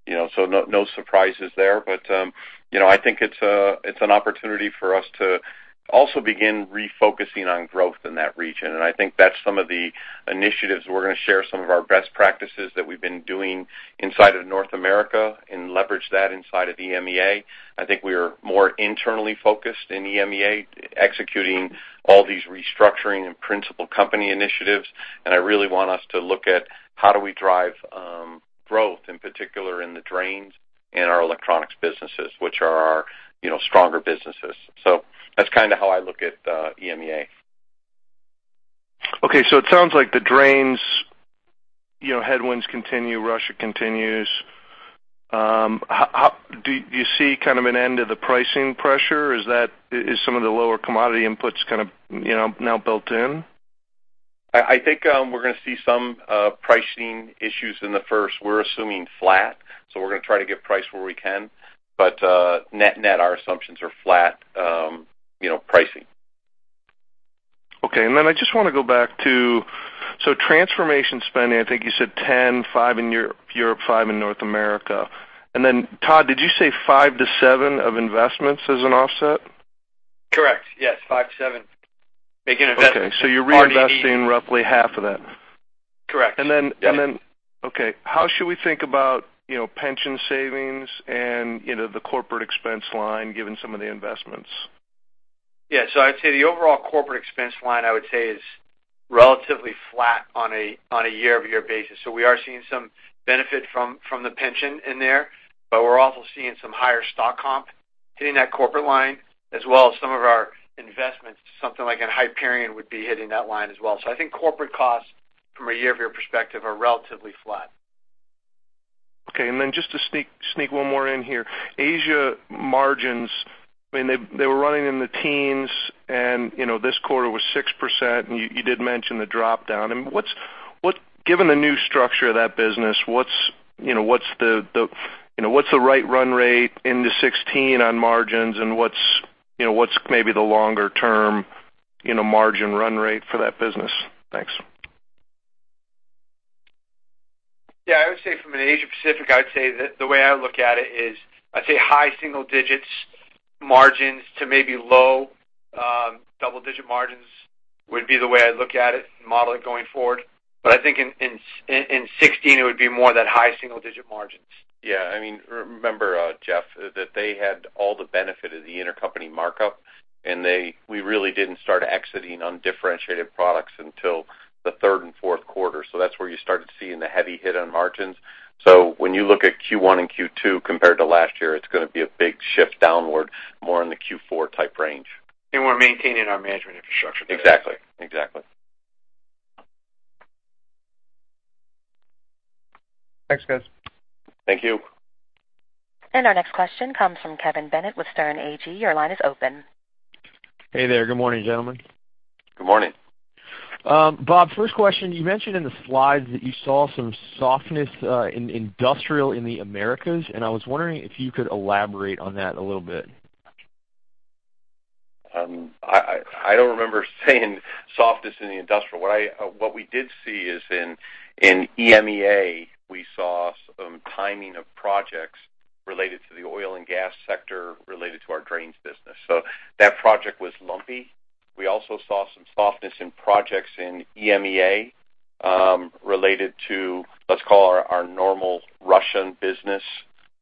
you know, so no, no surprises there. But, you know, I think it's an opportunity for us to also begin refocusing on growth in that region. And I think that's some of the initiatives. We're gonna share some of our best practices that we've been doing inside of North America and leverage that inside of EMEA. I think we are more internally focused in EMEA, executing all these restructuring principal company initiatives. And I really want us to look at how do we drive growth, in particular, in the drains and our electronics businesses, which are our, you know, stronger businesses. So that's kind of how I look at EMEA. Okay, so it sounds like the drains, you know, headwinds continue, Russia continues. How do you see kind of an end to the pricing pressure? Is some of the lower commodity inputs kind of, you know, now built in? I think we're gonna see some pricing issues in the first. We're assuming flat, so we're gonna try to get price where we can. But net-net, our assumptions are flat, you know, pricing. Okay. Then I just wanna go back to... So transformation spending, I think you said $10, $5 in Europe, $5 in North America. Then, Todd, did you say $5 to $7 of investments as an offset? Correct. Yes, 5 to 7, making investments- Okay. So you're reinvesting roughly half of that? Correct. And then- Yeah. Okay, how should we think about, you know, pension savings and, you know, the corporate expense line, given some of the investments? Yeah. So I'd say the overall corporate expense line, I would say, is relatively flat on a year-over-year basis. So we are seeing some benefit from the pension in there, but we're also seeing some higher stock comp hitting that corporate line, as well as some of our investments. Something like a Hyperion would be hitting that line as well. So I think corporate costs from a year-over-year perspective are relatively flat. Okay. And then just to sneak one more in here. Asia margins, I mean, they were running in the teens, and, you know, this quarter was 6%, and you did mention the dropdown. And what's—given the new structure of that business, what's, you know, what's the right run rate into 2016 on margins and what's, you know, what's maybe the longer term, you know, margin run rate for that business? Thanks. Yeah, I would say from an Asia Pacific, I'd say that the way I look at it is, I'd say high single-digit margins to maybe low double-digit margins would be the way I look at it and model it going forward. But I think in 2016, it would be more that high single-digit margins. Yeah. I mean, remember, Jeff, that they had all the benefit of the intercompany markup, and we really didn't start exiting undifferentiated products until the third and fourth quarter. So that's where you started seeing the heavy hit on margins. So when you look at Q1 and Q2, compared to last year, it's gonna be a big shift downward, more in the Q4 type range. We're maintaining our management infrastructure there. Exactly, exactly. Thanks, guys. Thank you. Our next question comes from Kevin Bennett with Sterne Agee. Your line is open. Hey there. Good morning, gentlemen. Good morning. Bob, first question, you mentioned in the slides that you saw some softness in industrial in the Americas, and I was wondering if you could elaborate on that a little bit. I don't remember saying softness in the industrial. What we did see is in EMEA, we saw some timing of projects related to the oil and gas sector, related to our drains business. So that project was lumpy. We also saw some softness in projects in EMEA, related to, let's call our normal Russian business,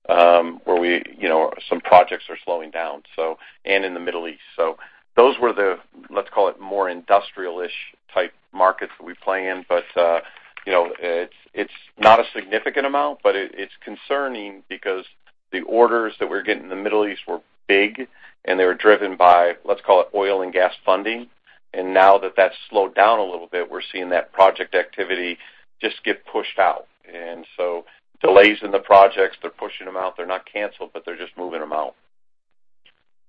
where we, you know, some projects are slowing down, so, and in the Middle East. So those were the, let's call it, more industrial-ish type markets that we play in. But, you know, it's not a significant amount, but it's concerning because the orders that we're getting in the Middle East were big, and they were driven by, let's call it, oil and gas funding. And now that that's slowed down a little bit, we're seeing that project activity just get pushed out. And so delays in the projects, they're pushing them out. They're not canceled, but they're just moving them out.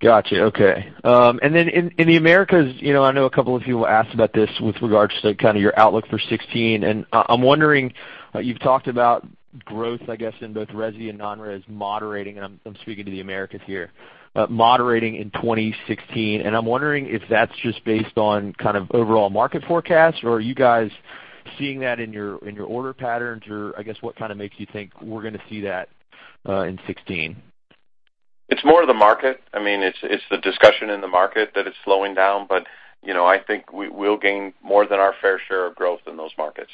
Gotcha. Okay. And then in, in the Americas, you know, I know a couple of people asked about this with regards to kind of your outlook for 2016, and I, I'm wondering, you've talked about growth, I guess, in both resi and non-res moderating, and I'm, I'm speaking to the Americas here, moderating in 2016. And I'm wondering if that's just based on kind of overall market forecast, or are you guys seeing that in your, in your order patterns? Or I guess, what kind of makes you think we're gonna see that, in 2016? It's more of the market. I mean, it's the discussion in the market that it's slowing down. But, you know, I think we, we'll gain more than our fair share of growth in those markets.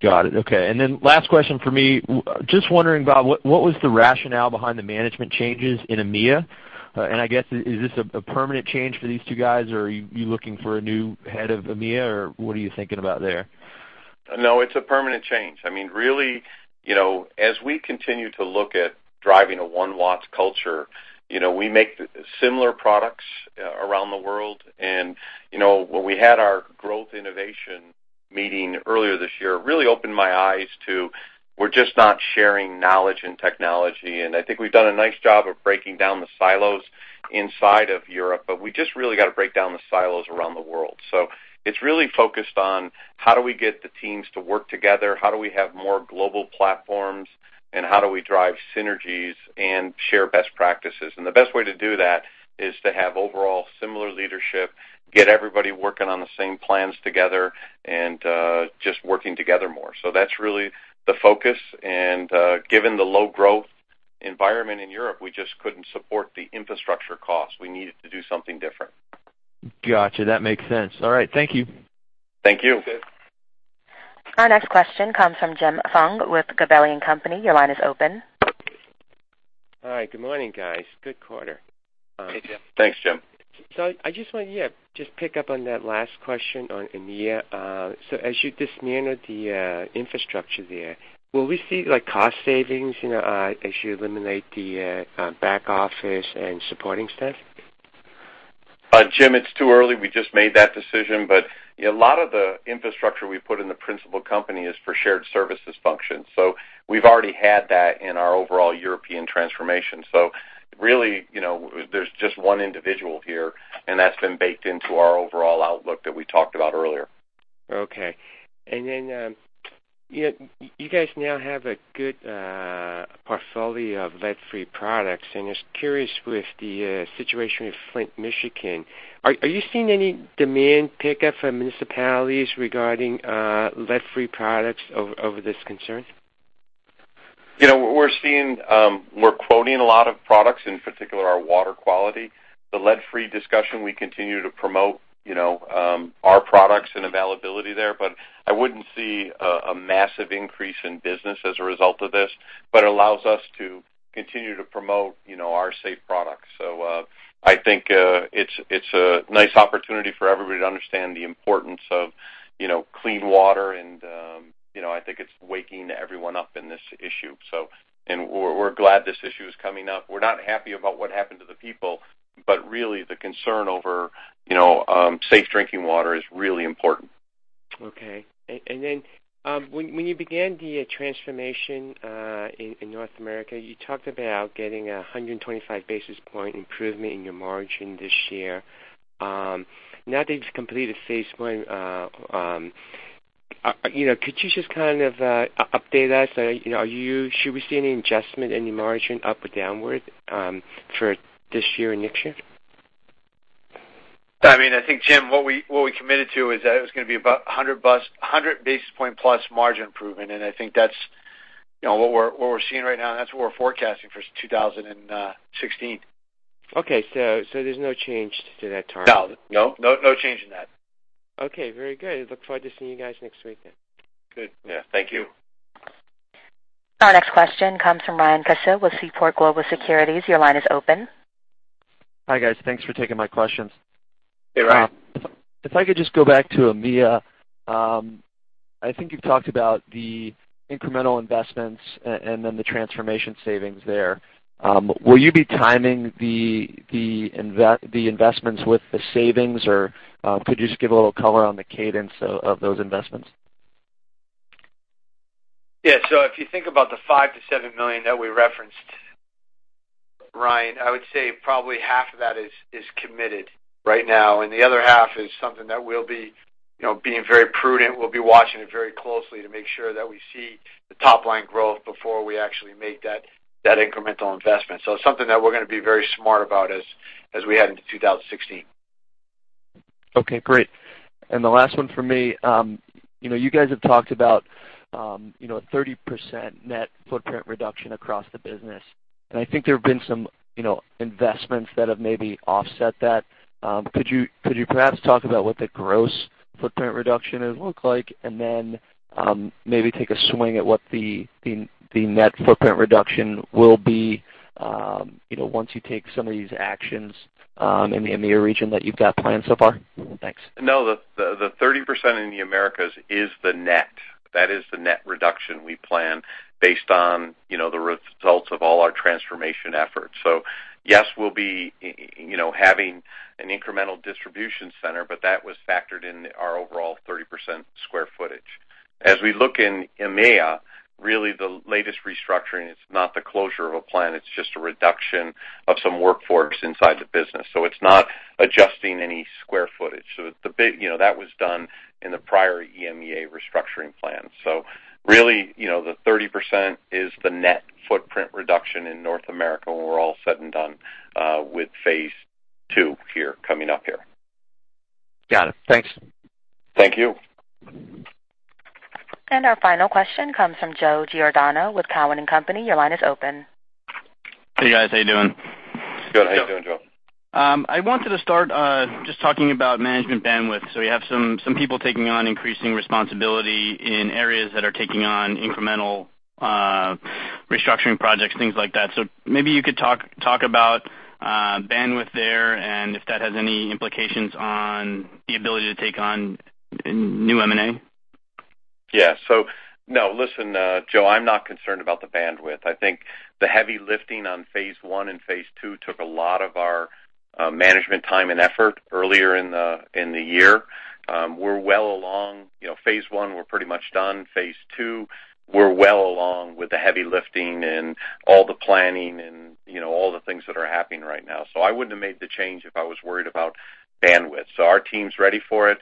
Got it. Okay. And then last question for me. Just wondering, Bob, what, what was the rationale behind the management changes in EMEA? And I guess, is this a permanent change for these two guys, or are you looking for a new head of EMEA, or what are you thinking about there? No, it's a permanent change. I mean, really, you know, as we continue to look at driving One Watts culture, you know, we make similar products around the world. And, you know, when we had our growth innovation meeting earlier this year, it really opened my eyes to, we're just not sharing knowledge and technology, and I think we've done a nice job of breaking down the silos inside of Europe, but we just really got to break down the silos around the world. So it's really focused on how do we get the teams to work together? How do we have more global platforms? And how do we drive synergies and share best practices? And the best way to do that is to have overall similar leadership, get everybody working on the same plans together, and just working together more. So that's really the focus, and given the low growth environment in Europe, we just couldn't support the infrastructure costs. We needed to do something different.... Gotcha, that makes sense. All right, thank you. Thank you. Our next question comes from Jim Foung with Gabelli & Company. Your line is open. All right. Good morning, guys. Good quarter. Hey, Jim. Thanks, Jim. So I just want, yeah, just pick up on that last question on EMEA. So as you dismantle the infrastructure there, will we see, like, cost savings, you know, as you eliminate the back office and supporting staff? Jim, it's too early. We just made that decision, but a lot of the infrastructure we put in principal company is for shared services functions. So we've already had that in our overall European transformation. So really, you know, there's just one individual here, and that's been baked into our overall outlook that we talked about earlier. Okay. And then, you guys now have a good portfolio of lead-free products, and just curious with the situation with Flint, Michigan, are you seeing any demand pickup from municipalities regarding lead-free products over this concern? You know, we're seeing, we're quoting a lot of products, in particular, our water quality. The lead-free discussion, we continue to promote, you know, our products and availability there, but I wouldn't see a massive increase in business as a result of this. But it allows us to continue to promote, you know, our safe products. So, I think, it's a nice opportunity for everybody to understand the importance of, you know, clean water, and, you know, I think it's waking everyone up in this issue. So, and we're glad this issue is coming up. We're not happy about what happened to the people, but really, the concern over, you know, safe drinking water is really important. Okay. Then, when you began the transformation in North America, you talked about getting 125 basis point improvement in your margin this year. Now that you've Phase One, you know, could you just kind of update us? You know, are you? Should we see any adjustment in your margin up or downward for this year and next year? I mean, I think, Jim, what we, what we committed to is that it was gonna be about 100-plus, 100 basis point-plus margin improvement, and I think that's, you know, what we're, what we're seeing right now, and that's what we're forecasting for 2016. Okay, so there's no change to that target? No. No, no, no change in that. Okay, very good. Look forward to seeing you guys next week then. Good. Yeah, thank you. Our next question comes from Ryan Cass with Seaport Global Securities. Your line is open. Hi, guys. Thanks for taking my questions. Hey, Ryan. If I could just go back to EMEA. I think you've talked about the incremental investments and then the transformation savings there. Will you be timing the investments with the savings, or could you just give a little color on the cadence of those investments? Yeah. So if you think about the $5 million to $7 million that we referenced, Ryan, I would say probably half of that is committed right now, and the other half is something that we'll be, you know, being very prudent. We'll be watching it very closely to make sure that we see the top line growth before we actually make that incremental investment. So it's something that we're gonna be very smart about as we head into 2016. Okay, great. And the last one for me, you know, you guys have talked about, you know, a 30% net footprint reduction across the business, and I think there have been some, you know, investments that have maybe offset that. Could you perhaps talk about what the gross footprint reduction would look like, and then, maybe take a swing at what the net footprint reduction will be, you know, once you take some of these actions, in the EMEA region that you've got planned so far? Thanks. No, the 30% in the Americas is the net. That is the net reduction we plan based on, you know, the results of all our transformation efforts. So yes, we'll be, you know, having an incremental distribution center, but that was factored in our overall 30% square footage. As we look in EMEA, really the latest restructuring, it's not the closure of a plant, it's just a reduction of some workforce inside the business, so it's not adjusting any square footage. So the big. You know, that was done in the prior EMEA restructuring plan. So really, you know, the 30% is the net footprint reduction in North America when we're all said and done with Phase Two here, coming up here. Got it. Thanks. Thank you. Our final question comes from Joe Giordano with Cowen and Company. Your line is open. Hey, guys. How you doing? Good. How you doing, Joe? I wanted to start just talking about management bandwidth. So you have some people taking on increasing responsibility in areas that are taking on incremental restructuring projects, things like that. So maybe you could talk about bandwidth there and if that has any implications on the ability to take on new M&A. Yeah. So, no, listen, Joe, I'm not concerned about the bandwidth. I think the heavy lifting Phase One and Phase Two took a lot of our management time and effort earlier in the year. We're well along. You Phase One, we're pretty much done. Phase Two, we're well along with the heavy lifting and all the planning and, you know, all the things that are happening right now. So I wouldn't have made the change if I was worried about bandwidth. So our team's ready for it,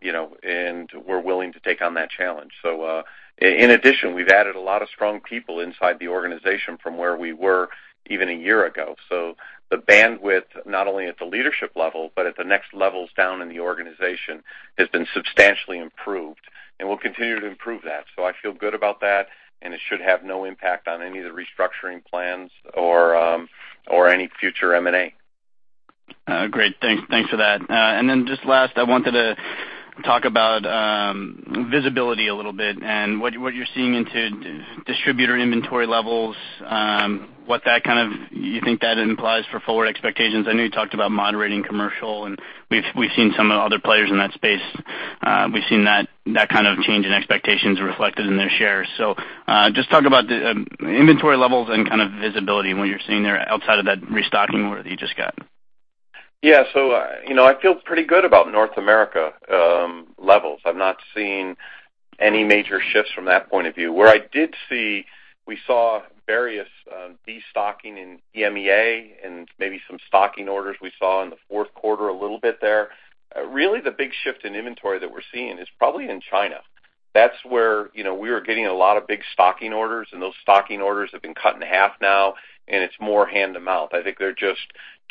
you know, and we're willing to take on that challenge. So, in addition, we've added a lot of strong people inside the organization from where we were even a year ago. So the bandwidth, not only at the leadership level, but at the next levels down in the organization, has been substantially improved, and we'll continue to improve that. So I feel good about that, and it should have no impact on any of the restructuring plans or any future M&A.... Great. Thanks, thanks for that. And then just last, I wanted to talk about visibility a little bit and what you're seeing into distributor inventory levels, what that kind of, you think that implies for forward expectations? I know you talked about moderating commercial, and we've seen some of the other players in that space. We've seen that kind of change in expectations reflected in their shares. So, just talk about the inventory levels and kind of visibility and what you're seeing there outside of that restocking order that you just got. Yeah, so, you know, I feel pretty good about North America levels. I've not seen any major shifts from that point of view. Where I did see, we saw various destocking in EMEA and maybe some stocking orders we saw in the fourth quarter a little bit there. Really, the big shift in inventory that we're seeing is probably in China. That's where, you know, we were getting a lot of big stocking orders, and those stocking orders have been cut in half now, and it's more hand-to-mouth. I think they're just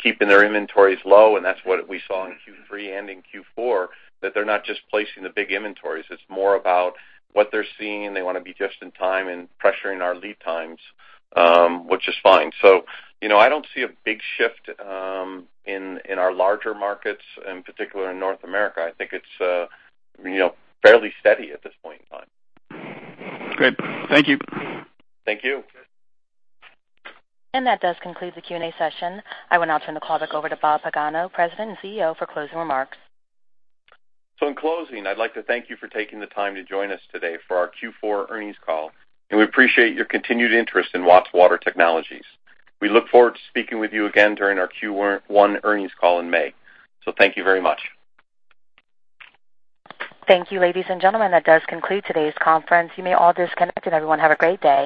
keeping their inventories low, and that's what we saw in Q3 and in Q4, that they're not just placing the big inventories. It's more about what they're seeing, and they want to be just in time and pressuring our lead times, which is fine. So, you know, I don't see a big shift in our larger markets, in particular in North America. I think it's, you know, fairly steady at this point in time. Great. Thank you. Thank you. That does conclude the Q&A session. I will now turn the call back over to Bob Pagano, President and CEO, for closing remarks. In closing, I'd like to thank you for taking the time to join us today for our Q4 earnings call, and we appreciate your continued interest in Watts Water Technologies. We look forward to speaking with you again during our Q1 earnings call in May. Thank you very much. Thank you, ladies and gentlemen. That does conclude today's conference. You may all disconnect, and everyone, have a great day.